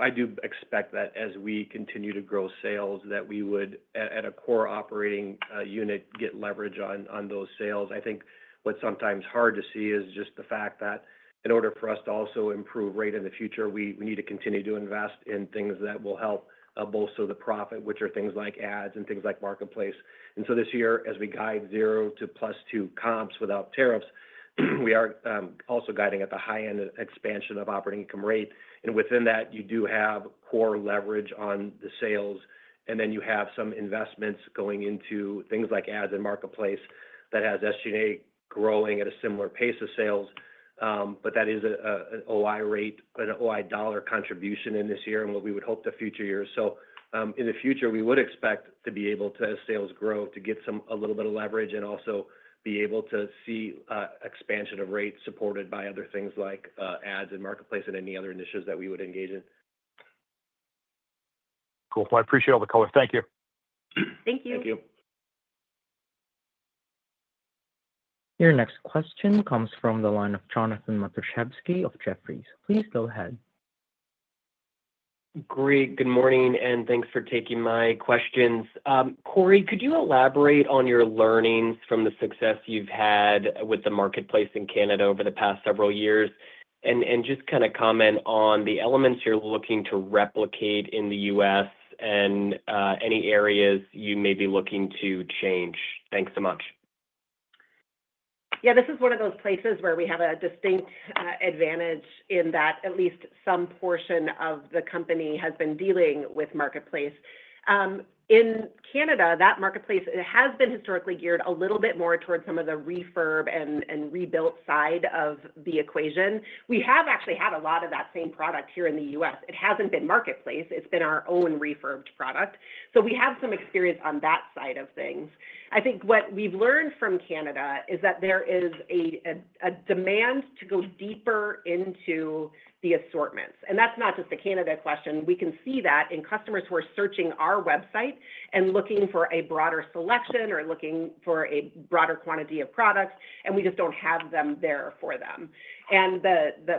Speaker 4: I do expect that as we continue to grow sales, that we would, at a core operating unit, get leverage on those sales. I think what's sometimes hard to see is just the fact that in order for us to also improve rate in the future, we need to continue to invest in things that will help bolster the profit, which are things like ads and things like Marketplace. And so this year, as we guide zero to plus two comps without tariffs, we are also guiding at the high-end expansion of operating income rate. And within that, you do have core leverage on the sales, and then you have some investments going into things like ads and Marketplace that has SG&A growing at a similar pace of sales. But that is an OI rate, an OI dollar contribution in this year and what we would hope the future years. So in the future, we would expect to be able to, as sales grow, to get some a little bit of leverage and also be able to see expansion of rate supported by other things like ads and Marketplace and any other initiatives that we would engage in.
Speaker 7: Cool. Well, I appreciate all the color. Thank you.
Speaker 3: Thank you.
Speaker 4: Thank you.
Speaker 1: Your next question comes from the line of Jonathan Matuszewski of Jefferies. Please go ahead. Great. Good morning and thanks for taking my questions.
Speaker 8: Corie, could you elaborate on your learnings from the success you've had with the Marketplace in Canada over the past several years and just kind of comment on the elements you're looking to replicate in the U.S. and any areas you may be looking to change? Thanks so much.
Speaker 3: Yeah, this is one of those places where we have a distinct advantage in that at least some portion of the company has been dealing with Marketplace. In Canada, that Marketplace has been historically geared a little bit more towards some of the refurb and rebuilt side of the equation. We have actually had a lot of that same product here in the U.S. It hasn't been Marketplace. It's been our own refurbed product. So we have some experience on that side of things. I think what we've learned from Canada is that there is a demand to go deeper into the assortments. And that's not just a Canada question. We can see that in customers who are searching our website and looking for a broader selection or looking for a broader quantity of products, and we just don't have them there for them. And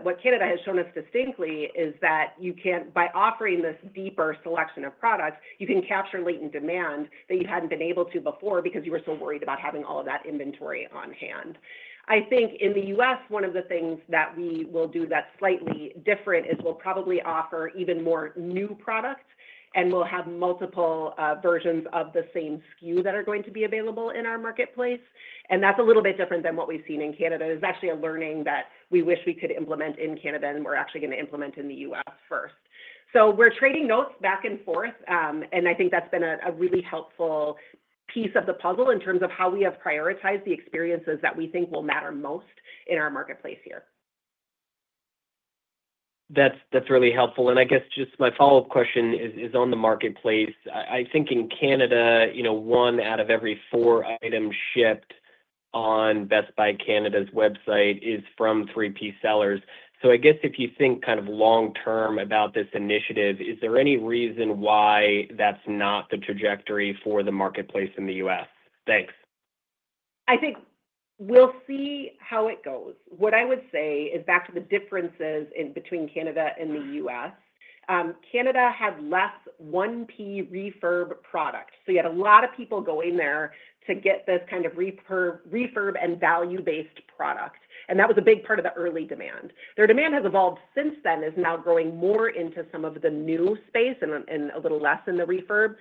Speaker 3: what Canada has shown us distinctly is that you can, by offering this deeper selection of products, you can capture latent demand that you hadn't been able to before because you were so worried about having all of that inventory on hand. I think in the U.S., one of the things that we will do that's slightly different is we'll probably offer even more new products and we'll have multiple versions of the same SKU that are going to be available in our Marketplace. And that's a little bit different than what we've seen in Canada. It's actually a learning that we wish we could implement in Canada and we're actually going to implement in the U.S. first. So we're trading notes back and forth, and I think that's been a really helpful piece of the puzzle in terms of how we have prioritized the experiences that we think will matter most in our Marketplace here.
Speaker 8: That's really helpful. And I guess just my follow-up question is on the Marketplace. I think in Canada, you know, one out of every four items shipped on Best Buy Canada’s website is from third-party sellers. So I guess if you think kind of long-term about this initiative, is there any reason why that's not the trajectory for the Marketplace in the U.S.?
Speaker 3: Thanks. I think we'll see how it goes. What I would say is back to the differences between Canada and the U.S. Canada had less one-piece refurb product. So you had a lot of people going there to get this kind of refurb and value-based product. And that was a big part of the early demand. Their demand has evolved since then and is now growing more into some of the new space and a little less in the refurb.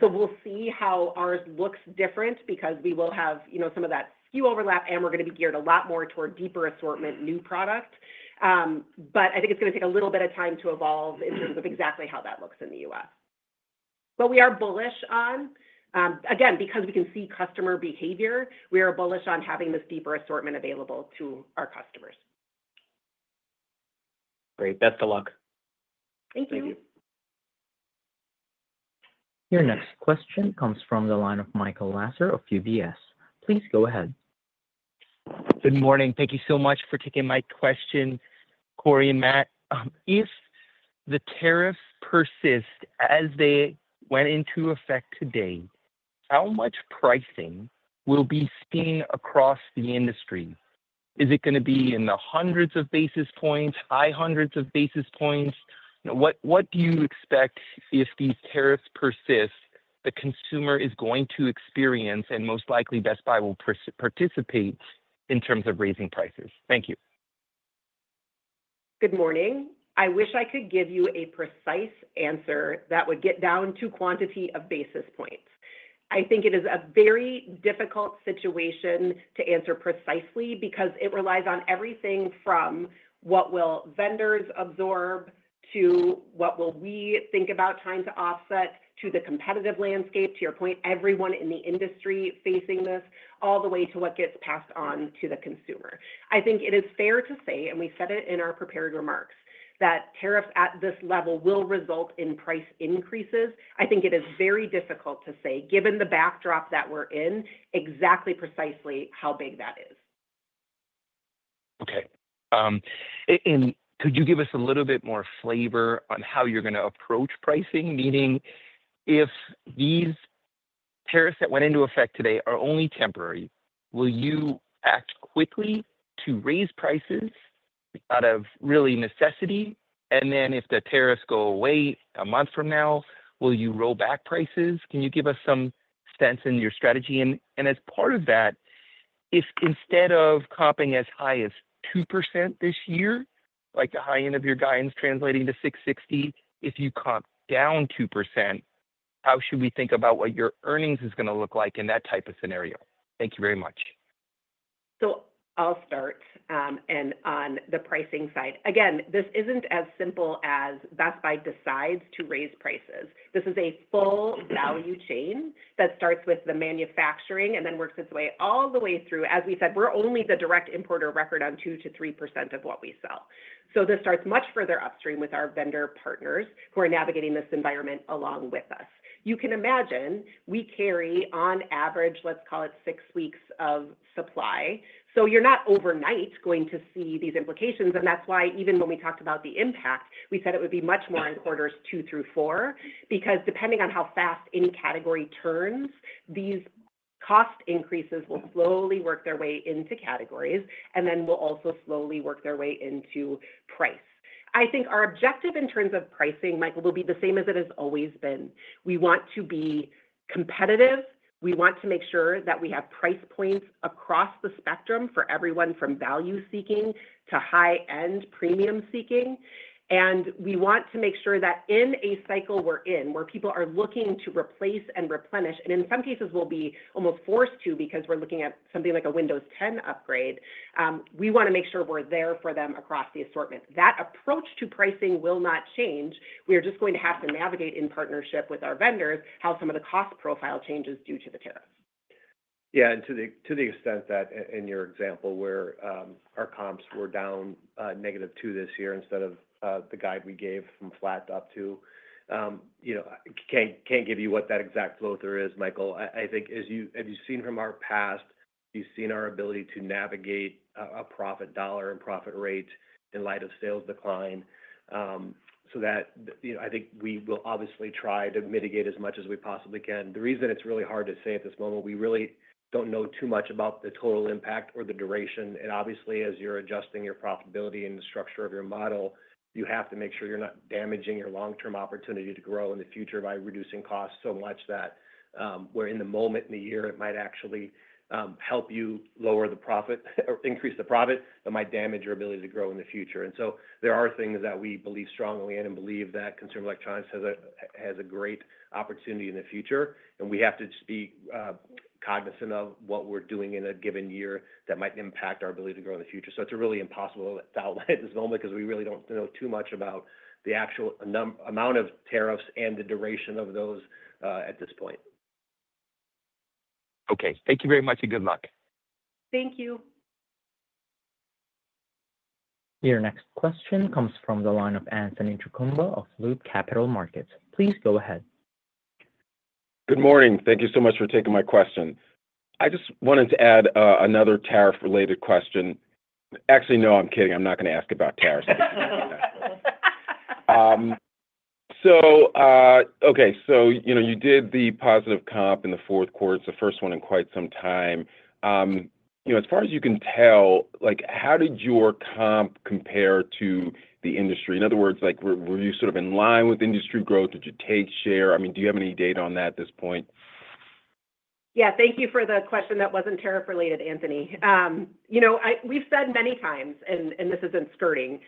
Speaker 3: So we'll see how ours looks different because we will have, you know, some of that SKU overlap and we're going to be geared a lot more toward deeper assortment new product. But I think it's going to take a little bit of time to evolve in terms of exactly how that looks in the U.S. But we are bullish on, again, because we can see customer behavior. We are bullish on having this deeper assortment available to our customers.
Speaker 8: Great. Best of luck.
Speaker 3: Thank you.
Speaker 4: Thank you.
Speaker 1: Your next question comes from the line of Michael Lasser of UBS. Please go ahead.
Speaker 9: Good morning. Thank you so much for taking my question, Corie and Matt. If the tariffs persist as they went into effect today, how much pricing will be seen across the industry? Is it going to be in the hundreds of basis points, high hundreds of basis points? What do you expect if these tariffs persist, the consumer is going to experience and most likely Best Buy will participate in terms of raising prices? Thank you.
Speaker 3: Good morning. I wish I could give you a precise answer that would get down to quantity of basis points. I think it is a very difficult situation to answer precisely because it relies on everything from what will vendors absorb to what will we think about trying to offset to the competitive landscape, to your point, everyone in the industry facing this, all the way to what gets passed on to the consumer. I think it is fair to say, and we said it in our prepared remarks, that tariffs at this level will result in price increases. I think it is very difficult to say, given the backdrop that we're in, exactly precisely how big that is.
Speaker 9: Okay, and could you give us a little bit more flavor on how you're going to approach pricing, meaning if these tariffs that went into effect today are only temporary, will you act quickly to raise prices out of really necessity? And then if the tariffs go away a month from now, will you roll back prices? Can you give us some sense of your strategy? And as part of that, if instead of comping as high as 2% this year, like the high end of your guidance translating to 660, if you comp down 2%, how should we think about what your earnings is going to look like in that type of scenario? Thank you very much.
Speaker 3: So I'll start. And on the pricing side, again, this isn't as simple as Best Buy decides to raise prices. This is a full value chain that starts with the manufacturing and then works its way all the way through. As we said, we're only the direct importer of record on 2%-3% of what we sell. So this starts much further upstream with our vendor partners who are navigating this environment along with us. You can imagine we carry on average, let's call it six weeks of supply. So you're not overnight going to see these implications. And that's why even when we talked about the impact, we said it would be much more in quarters two through four because depending on how fast any category turns, these cost increases will slowly work their way into categories and then will also slowly work their way into price. I think our objective in terms of pricing, Michael, will be the same as it has always been. We want to be competitive. We want to make sure that we have price points across the spectrum for everyone from value seeking to high-end premium seeking. We want to make sure that in a cycle we're in where people are looking to replace and replenish, and in some cases will be almost forced to because we're looking at something like a Windows 10 upgrade, we want to make sure we're there for them across the assortment. That approach to pricing will not change. We are just going to have to navigate in partnership with our vendors how some of the cost profile changes due to the tariffs.
Speaker 4: Yeah. To the extent that in your example where our comps were down -2% this year instead of the guide we gave from flat up to, you know, can't give you what that exact flow through is, Michael. I think as you've seen from our past, you've seen our ability to navigate a profit dollar and profit rate in light of sales decline. So that, you know, I think we will obviously try to mitigate as much as we possibly can. The reason it's really hard to say at this moment is we really don't know too much about the total impact or the duration. And obviously, as you're adjusting your profitability and the structure of your model, you have to make sure you're not damaging your long-term opportunity to grow in the future by reducing costs so much that in the moment in the year it might actually help you lower the profit or increase the profit. It might damage your ability to grow in the future. And so there are things that we believe strongly in and believe that consumer electronics has a great opportunity in the future. And we have to be cognizant of what we're doing in a given year that might impact our ability to grow in the future. So it's really impossible to outline at this moment because we really don't know too much about the actual amount of tariffs and the duration of those at this point.
Speaker 9: Okay. Thank you very much and good luck.
Speaker 3: Thank you.
Speaker 1: Your next question comes from the line of Anthony Chukumba of Loop Capital Markets. Please go ahead.
Speaker 10: Good morning. Thank you so much for taking my question. I just wanted to add another tariff-related question. Actually, no, I'm kidding. I'm not going to ask about tariffs. So, okay. So, you know, you did the positive comp in the fourth quarter, it's the first one in quite some time. You know, as far as you can tell, like how did your comp compare to the industry? In other words, like were you sort of in line with industry growth? Did you take share? I mean, do you have any data on that at this point?
Speaker 3: Yeah. Thank you for the question that wasn't tariff-related, Anthony. You know, we've said many times, and this isn't skirting,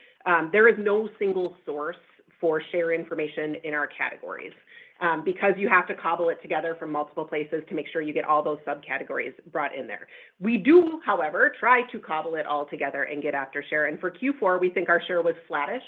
Speaker 3: there is no single source for share information in our categories because you have to cobble it together from multiple places to make sure you get all those subcategories brought in there. We do, however, try to cobble it all together and get after share. And for Q4, we think our share was flattish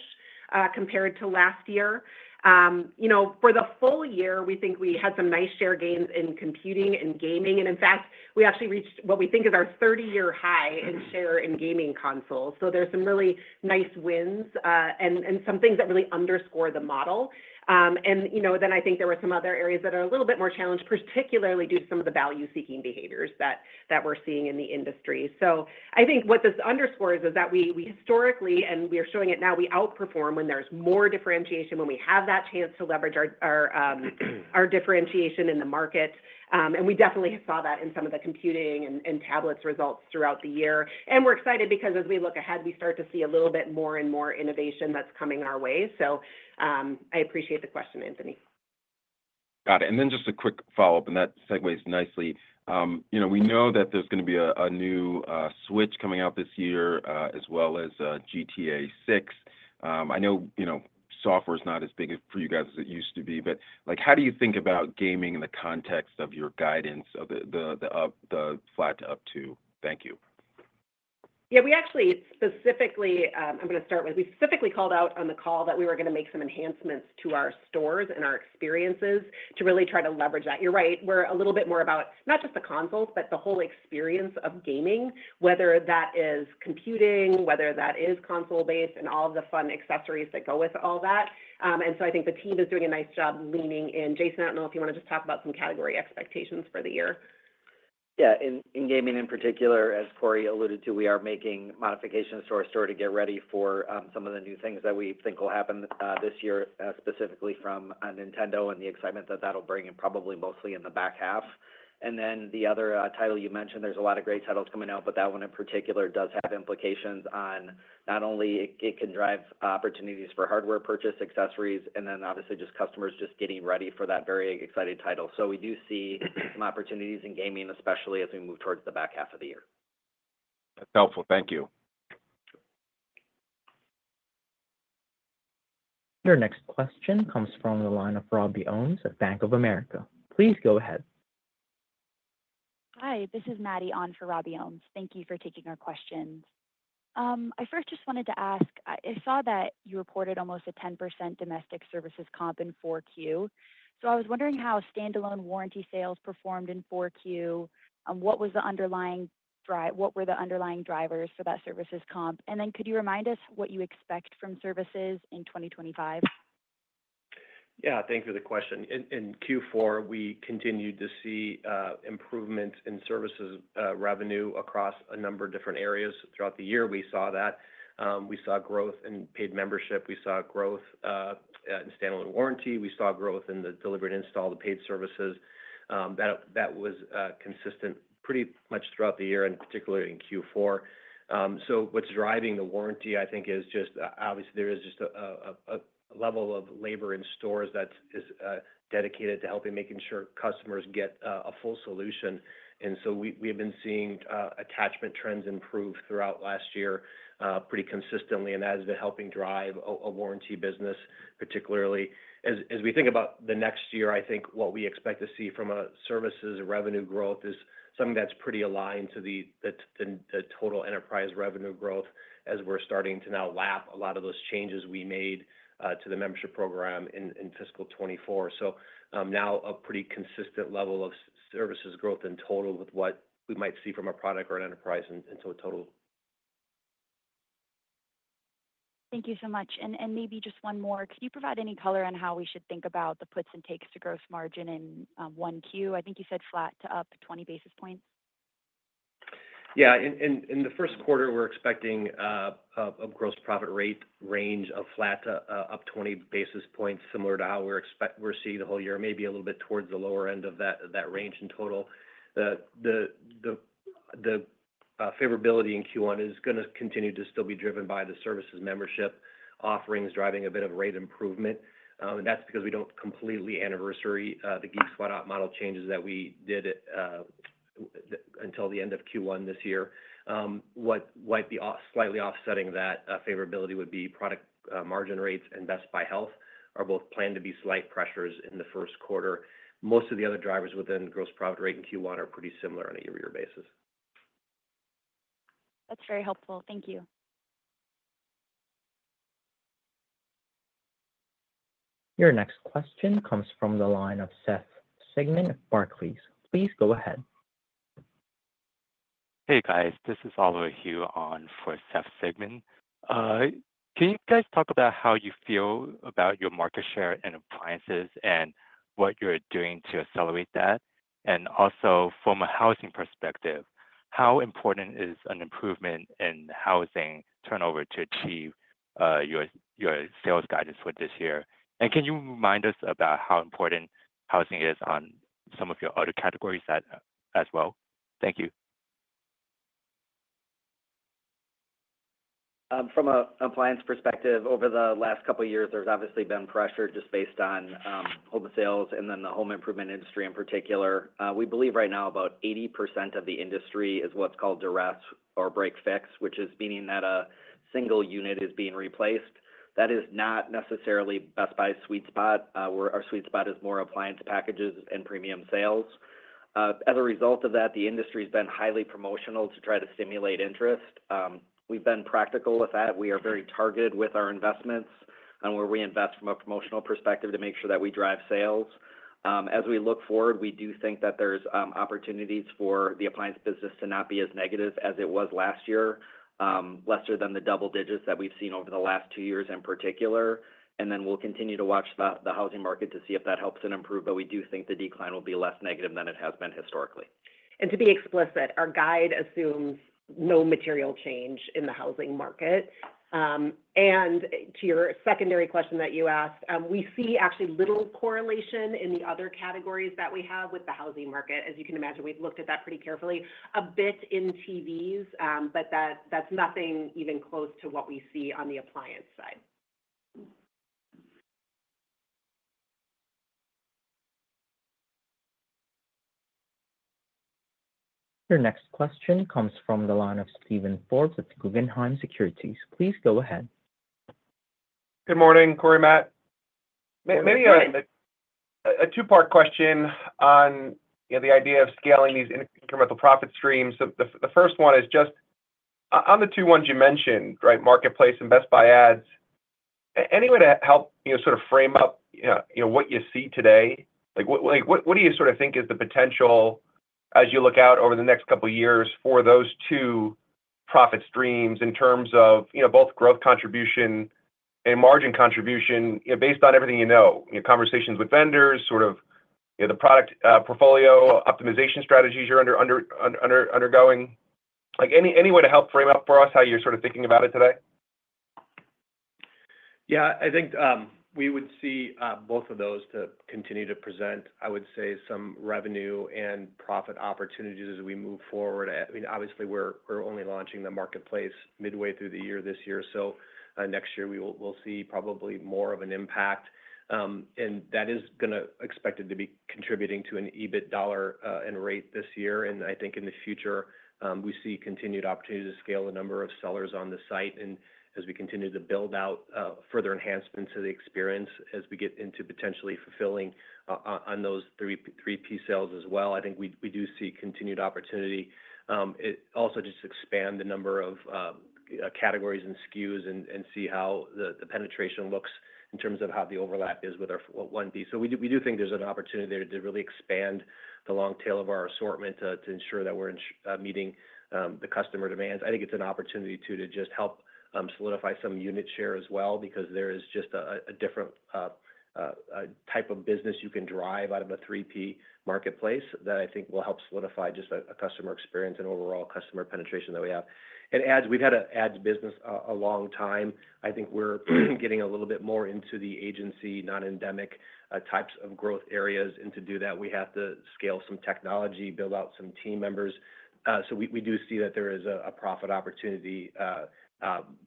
Speaker 3: compared to last year. You know, for the full year, we think we had some nice share gains in computing and gaming. And in fact, we actually reached what we think is our 30-year high in share in gaming consoles. So there's some really nice wins and some things that really underscore the model. And, you know, then I think there were some other areas that are a little bit more challenged, particularly due to some of the value-seeking behaviors that we're seeing in the industry. So I think what this underscores is that we historically, and we are showing it now, we outperform when there's more differentiation, when we have that chance to leverage our differentiation in the market. And we definitely saw that in some of the computing and tablets results throughout the year. And we're excited because as we look ahead, we start to see a little bit more and more innovation that's coming our way. So I appreciate the question, Anthony.
Speaker 10: Got it. And then just a quick follow-up, and that segues nicely. You know, we know that there's going to be a new Switch coming out this year as well as GTA 6. I know, you know, software is not as big for you guys as it used to be, but like how do you think about gaming in the context of your guidance of the flat to up to? Thank you.
Speaker 3: Yeah, we actually specifically, I'm going to start with, we specifically called out on the call that we were going to make some enhancements to our stores and our experiences to really try to leverage that. You're right. We're a little bit more about not just the consoles, but the whole experience of gaming, whether that is computing, whether that is console-based and all of the fun accessories that go with all that. And so I think the team is doing a nice job leaning in. Jason, I don't know if you want to just talk about some category expectations for the year.
Speaker 6: Yeah. In gaming in particular, as Corie alluded to, we are making modifications to our store to get ready for some of the new things that we think will happen this year, specifically from Nintendo and the excitement that that'll bring and probably mostly in the back half. And then the other title you mentioned, there's a lot of great titles coming out, but that one in particular does have implications on not only it can drive opportunities for hardware purchase, accessories, and then obviously just customers just getting ready for that very exciting title. So we do see some opportunities in gaming, especially as we move towards the back half of the year.
Speaker 10: That's helpful. Thank you.
Speaker 1: Your next question comes from the line of Robbie Ohmes at Bank of America. Please go ahead. Hi, this is Maddie Ong for Robbie Ohmes. Thank you for taking our questions. I first just wanted to ask. I saw that you reported almost 10% domestic services comp in 4Q. So I was wondering how standalone warranty sales performed in 4Q. What was the underlying driver? What were the underlying drivers for that services comp? And then could you remind us what you expect from services in 2025?
Speaker 4: Yeah. Thank you for the question. In Q4, we continued to see improvements in services revenue across a number of different areas throughout the year. We saw that. We saw growth in paid membership. We saw growth in standalone warranty. We saw growth in the delivery and install, the paid services. That was consistent pretty much throughout the year, and particularly in Q4. So, what's driving the warranty, I think, is just obviously there is just a level of labor in stores that is dedicated to helping making sure customers get a full solution. And so we have been seeing attachment trends improve throughout last year pretty consistently and has been helping drive a warranty business, particularly as we think about the next year. I think what we expect to see from a services revenue growth is something that's pretty aligned to the total enterprise revenue growth as we're starting to now lap a lot of those changes we made to the membership program in fiscal 2024. So now a pretty consistent level of services growth in total with what we might see from a product or an enterprise into a total. Thank you so much. And maybe just one more. Can you provide any color on how we should think about the puts and takes to gross margin in 1Q? I think you said flat to up 20 basis points. Yeah. In the first quarter, we're expecting a gross profit rate range of flat to up 20 basis points similar to how we're seeing the whole year, maybe a little bit towards the lower end of that range in total. The favorability in Q1 is going to continue to still be driven by the services membership offerings driving a bit of rate improvement, and that's because we don't completely anniversary the Geek Squad model changes that we did until the end of Q1 this year. What might be slightly offsetting that favorability would be product margin rates and Best Buy Health are both planned to be slight pressures in the first quarter. Most of the other drivers within gross profit rate in Q1 are pretty similar on a year-to-year basis. That's very helpful. Thank you.
Speaker 1: Your next question comes from the line of Seth Sigman of Barclays. Please go ahead.
Speaker 11: Hey, guys. This is Oliver He on for Seth Sigman. Can you guys talk about how you feel about your market share in appliances and what you're doing to accelerate that? And also from a housing perspective, how important is an improvement in housing turnover to achieve your sales guidance for this year? And can you remind us about how important housing is on some of your other categories as well? Thank you.
Speaker 4: From an appliance perspective, over the last couple of years, there's obviously been pressure just based on home sales and then the home improvement industry in particular. We believe right now about 80% of the industry is what's called duress or break-fix, which is meaning that a single unit is being replaced. That is not necessarily Best Buy's sweet spot. Our sweet spot is more appliance packages and premium sales. As a result of that, the industry has been highly promotional to try to stimulate interest. We've been practical with that. We are very targeted with our investments and where we invest from a promotional perspective to make sure that we drive sales. As we look forward, we do think that there's opportunities for the appliance business to not be as negative as it was last year, lesser than the double digits that we've seen over the last two years in particular. Then we'll continue to watch the housing market to see if that helps it improve, but we do think the decline will be less negative than it has been historically.
Speaker 3: To be explicit, our guide assumes no material change in the housing market. To your secondary question that you asked, we see actually little correlation in the other categories that we have with the housing market. As you can imagine, we've looked at that pretty carefully, a bit in TVs, but that's nothing even close to what we see on the appliance side.
Speaker 1: Your next question comes from the line of Steven Forbes at Guggenheim Securities. Please go ahead.
Speaker 12: Good morning, Corie, Matt. Maybe a two-part question on the idea of scaling these incremental profit streams. The first one is just on the two ones you mentioned, right, Marketplace and Best Buy Ads. Any way to help sort of frame up what you see today? What do you sort of think is the potential as you look out over the next couple of years for those two profit streams in terms of both growth contribution and margin contribution based on everything you know, conversations with vendors, sort of the product portfolio optimization strategies you're undergoing? Any way to help frame up for us how you're sort of thinking about it today?
Speaker 4: Yeah, I think we would see both of those to continue to present, I would say, some revenue and profit opportunities as we move forward. I mean, obviously, we're only launching the Marketplace midway through the year this year. So next year, we'll see probably more of an impact. That is expected to be contributing to an EBIT dollar and rate this year. I think in the future, we see continued opportunity to scale the number of sellers on the site. As we continue to build out further enhancements to the experience as we get into potentially fulfilling on those 3P sales as well, I think we do see continued opportunity also to just expand the number of categories and SKUs and see how the penetration looks in terms of how the overlap is with our 1P. We do think there's an opportunity there to really expand the long tail of our assortment to ensure that we're meeting the customer demands. I think it's an opportunity to just help solidify some unit share as well because there is just a different type of business you can drive out of a 3P Marketplace that I think will help solidify just a customer experience and overall customer penetration that we have. And ads, we've had an ads business a long time. I think we're getting a little bit more into the agency, non-endemic types of growth areas. And to do that, we have to scale some technology, build out some team members. So we do see that there is a profit opportunity,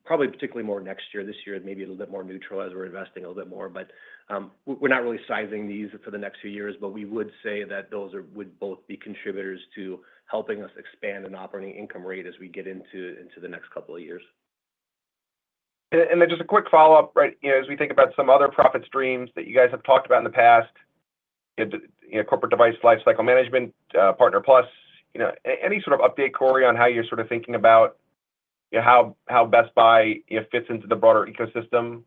Speaker 4: probably particularly more next year. This year is maybe a little bit more neutral as we're investing a little bit more, but we're not really sizing these for the next few years, but we would say that those would both be contributors to helping us expand an operating income rate as we get into the next couple of years.
Speaker 12: And then just a quick follow-up, right? As we think about some other profit streams that you guys have talked about in the past, corporate device lifecycle management, Partner+, any sort of update, Corie, on how you're sort of thinking about how Best Buy fits into the broader ecosystem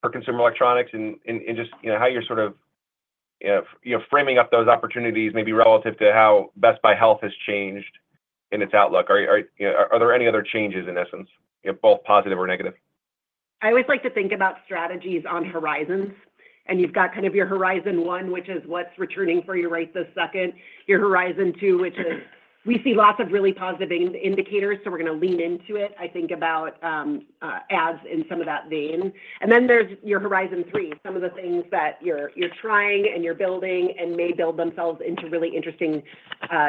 Speaker 12: for consumer electronics and just how you're sort of framing up those opportunities maybe relative to how Best Buy Health has changed in its outlook? Are there any other changes in essence, both positive or negative?
Speaker 3: I always like to think about strategies on horizons. You've got kind of your horizon one, which is what's returning right this second, your horizon two, which is we see lots of really positive indicators, so we're going to lean into it, I think, about ads in some of that vein. Then there's your horizon three, some of the things that you're trying and you're building and may build themselves into really interesting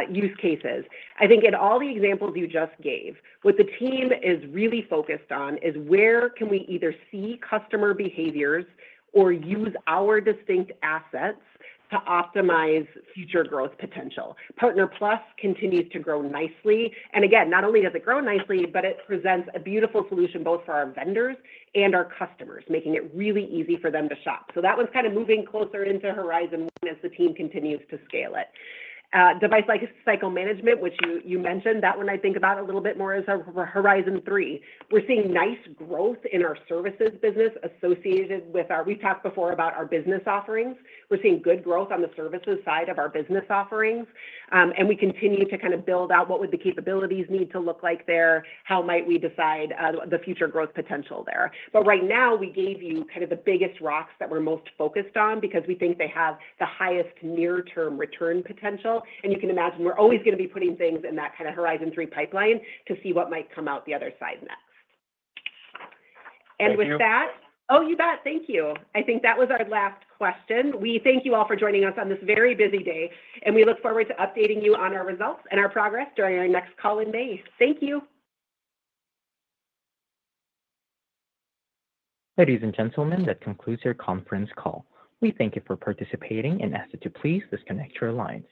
Speaker 3: use cases. I think in all the examples you just gave, what the team is really focused on is where can we either see customer behaviors or use our distinct assets to optimize future growth potential. Partner+ continues to grow nicely. Again, not only does it grow nicely, but it presents a beautiful solution both for our vendors and our customers, making it really easy for them to shop. So that one's kind of moving closer into horizon one as the team continues to scale it. Device cycle management, which you mentioned, that one I think about a little bit more as a horizon three. We're seeing nice growth in our services business associated with our, we've talked before about our business offerings. We're seeing good growth on the services side of our business offerings. And we continue to kind of build out what would the capabilities need to look like there, how might we decide the future growth potential there. But right now, we gave you kind of the biggest rocks that we're most focused on because we think they have the highest near-term return potential. And you can imagine we're always going to be putting things in that kind of horizon three pipeline to see what might come out the other side next. And with that, oh, you bet. Thank you. I think that was our last question. We thank you all for joining us on this very busy day. And we look forward to updating you on our results and our progress during our next call-in day. Thank you.
Speaker 1: Ladies and gentlemen, that concludes your conference call. We thank you for participating and ask that you please disconnect your lines.